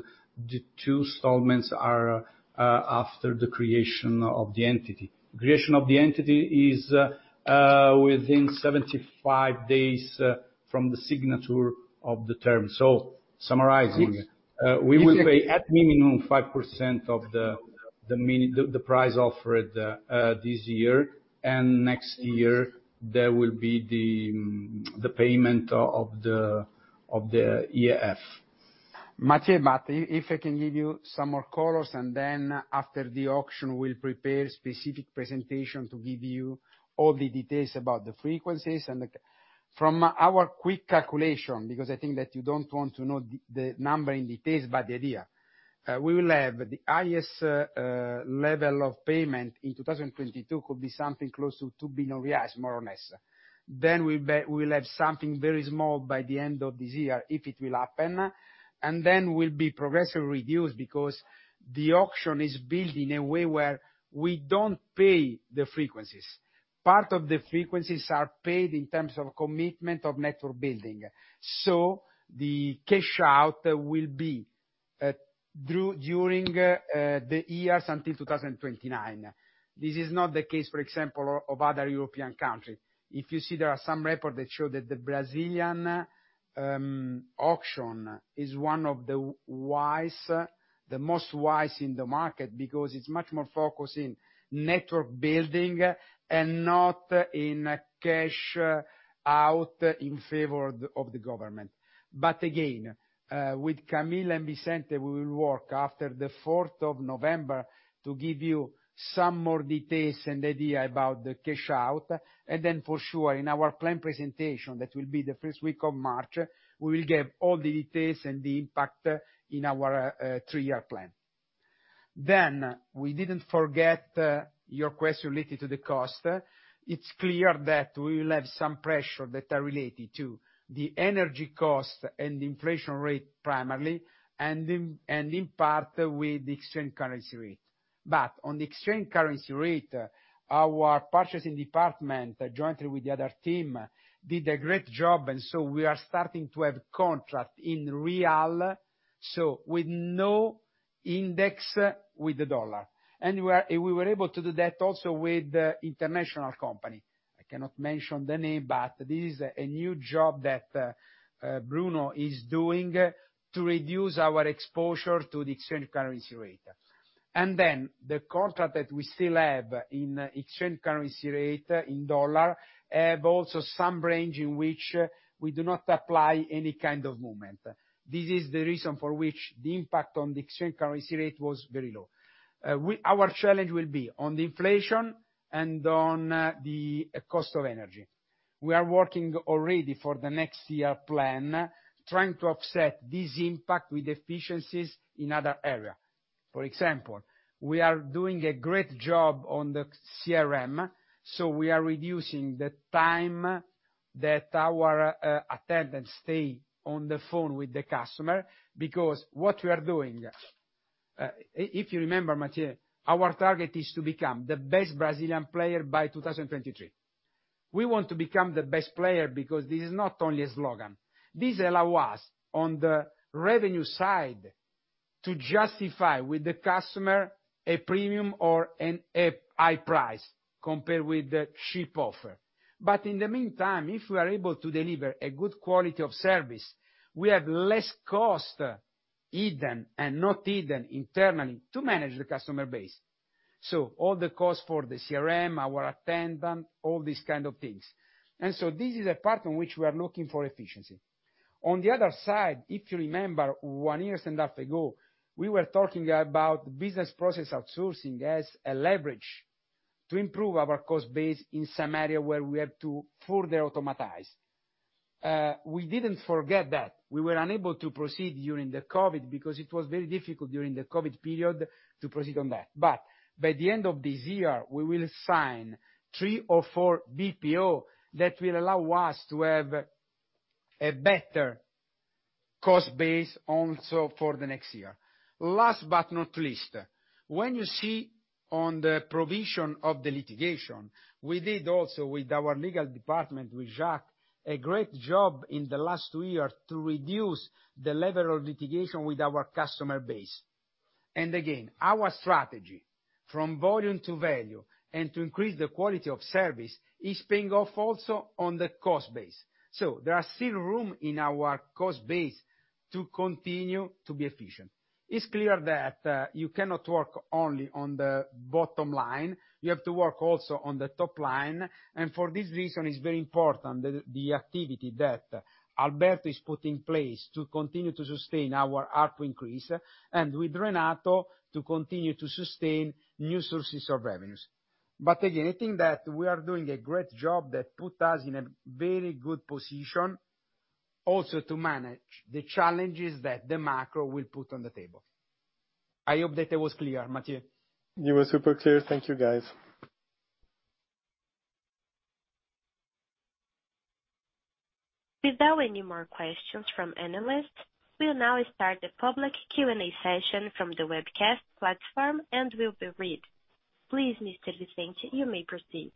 the two installments are after the creation of the entity. Creation of the entity is within 75 days from the signature of the term. Summarizing, we will pay a minimum 5% of the price offered this year, and next year there will be the payment of the EAF.
Mathieu, if I can give you some more colors, and then after the auction we'll prepare specific presentation to give you all the details about the frequencies. From our quick calculation, because I think that you don't want to know the number in details, but the idea. We will have the highest level of payment in 2022 could be something close to 2 billion reais, more or less. We'll have something very small by the end of this year if it will happen. We'll be progressively reduced because the auction is built in a way where we don't pay the frequencies. Part of the frequencies are paid in terms of commitment of network building. The cash out will be during the years until 2029. This is not the case, for example, of other European country. If you see there are some report that show that the Brazilian auction is one of the most wise in the market because it's much more focused in network building and not in cash out in favor of the government. But again, with Camille and Vicente, we will work after the 4th of November to give you some more details and idea about the cash out. For sure, in our plan presentation, that will be the first week of March, we will give all the details and the impact in our three-year plan. We didn't forget your question related to the cost. It's clear that we will have some pressure that are related to the energy cost and inflation rate primarily and in part with the exchange currency rate. On the exchange currency rate, our purchasing department, jointly with the other team, did a great job and we are starting to have contract in real, so with no index with the dollar. We were able to do that also with the international company. I cannot mention the name, but this is a new job that Bruno is doing to reduce our exposure to the exchange currency rate. The contract that we still have in exchange currency rate in dollar have also some range in which we do not apply any kind of movement. This is the reason for which the impact on the exchange currency rate was very low. Our challenge will be on the inflation and on the cost of energy. We are working already for the next year plan, trying to offset this impact with efficiencies in other area. For example, we are doing a great job on the CRM, so we are reducing the time that our attendance stay on the phone with the customer because what we are doing, if you remember, Mathieu, our target is to become the best Brazilian player by 2023. We want to become the best player because this is not only a slogan. This allow us on the revenue side to justify with the customer a premium or a high price compared with the cheap offer. In the meantime, if we are able to deliver a good quality of service, we have less cost hidden and not hidden internally to manage the customer base. All the costs for the CRM, our attendant, all these kind of things. This is a part on which we are looking for efficiency. On the other side, if you remember one year and a half ago, we were talking about business process outsourcing as a leverage to improve our cost base in some area where we have to further automatize. We didn't forget that. We were unable to proceed during the COVID because it was very difficult during the COVID period to proceed on that. By the end of this year, we will sign three or four BPO that will allow us to have a better cost base also for the next year. Last but not least, when you see on the provision of the litigation, we did also with our legal department, with Jacques, a great job in the last two years to reduce the level of litigation with our customer base. Again, our strategy from volume to value and to increase the quality of service is paying off also on the cost base. There are still room in our cost base to continue to be efficient. It's clear that you cannot work only on the bottom line, you have to work also on the top line. For this reason it's very important that the activity that Alberto has put in place to continue to sustain our ARPU increase and with Renato to continue to sustain new sources of revenues. Again, I think that we are doing a great job that put us in a very good position also to manage the challenges that the macro will put on the table. I hope that I was clear, Mathieu.
You were super clear. Thank you, guys.
Without any more questions from analysts, we'll now start the public Q&A session from the webcast platform and will be read. Please, Mr. Vicente, you may proceed.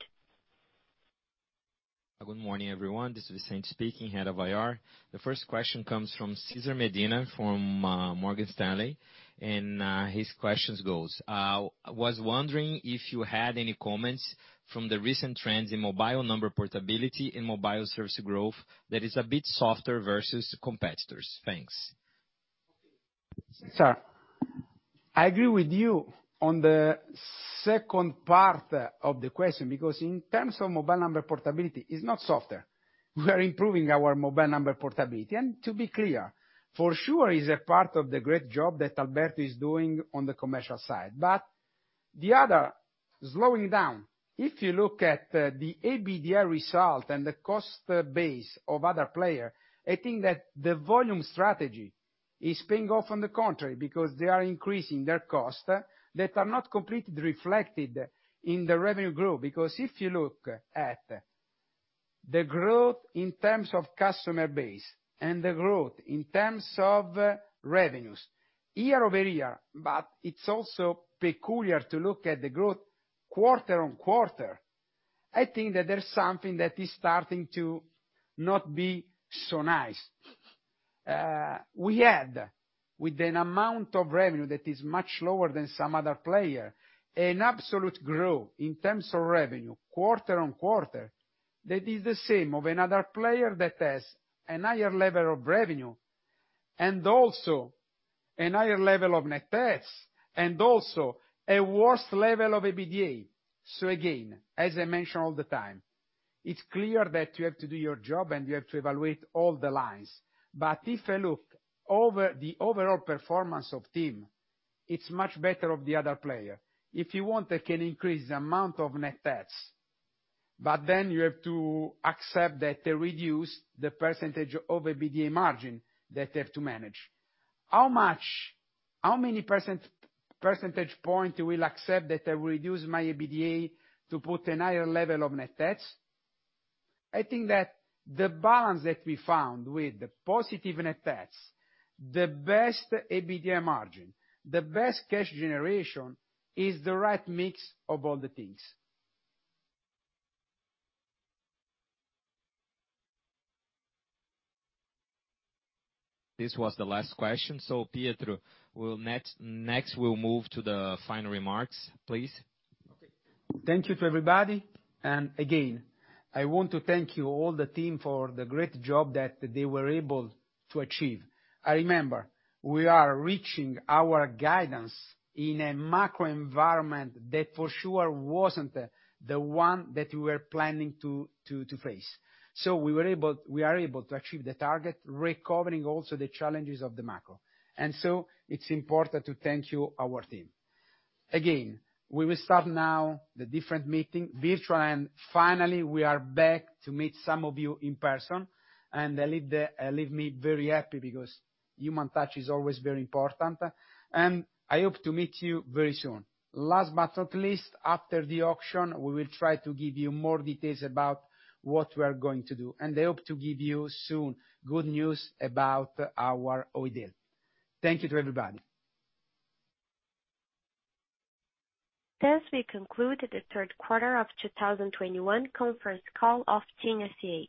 Good morning, everyone. This is Vicente speaking, Head of IR. The first question comes from Cesar Medina from Morgan Stanley. His questions goes, "Was wondering if you had any comments from the recent trends in mobile number portability and mobile service growth that is a bit softer versus competitors. Thanks.
Cesar, I agree with you on the second part of the question because in terms of mobile number portability, it's not so bad. We are improving our mobile number portability. To be clear, for sure it's a part of the great job that Alberto is doing on the commercial side. The other slowing down, if you look at the EBITDA result and the cost base of other players, I think that the volume strategy is paying off on the contrary because they are increasing their costs that are not completely reflected in the revenue growth. If you look at the growth in terms of customer base and the growth in terms of revenues year-over-year, but it's also peculiar to look at the growth quarter-on-quarter, I think that there's something that is starting to not be so nice. We had with an amount of revenue that is much lower than some other player, an absolute growth in terms of revenue quarter-on-quarter that is the same as another player that has a higher level of revenue and also a higher level of net adds and also a worse level of EBITDA. Again, as I mention all the time, it's clear that you have to do your job and you have to evaluate all the lines. If I look over the overall performance of TIM, it's much better than the other player. If you want, I can increase the amount of net adds. You have to accept that they reduce the percentage of EBITDA margin that they have to manage. How many percentage points will you accept that I reduce my EBITDA to put a higher level of net adds? I think that the balance that we found with the positive net debt, the best EBITDA margin, the best cash generation, is the right mix of all the things.
This was the last question. Pietro, next we'll move to the final remarks, please.
Okay. Thank you to everybody. Again, I want to thank you all the team for the great job that they were able to achieve. Remember, we are reaching our guidance in a macro environment that for sure wasn't the one that we were planning to face. We are able to achieve the target, recovering also the challenges of the macro. It's important to thank you, our team. Again, we will start now the different meeting, virtual, and finally we are back to meet some of you in person. It leaves me very happy because human touch is always very important. I hope to meet you very soon. Last but not least, after the auction, we will try to give you more details about what we are going to do, and I hope to give you soon good news about our Oi deal. Thank you to everybody.
Thus we conclude the third quarter of 2021 conference call of TIM S.A.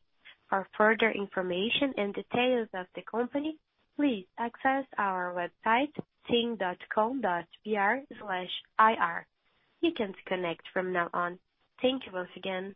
For further information and details of the company, please access our website, tim.com.br/ir. You can disconnect from now on. Thank you once again.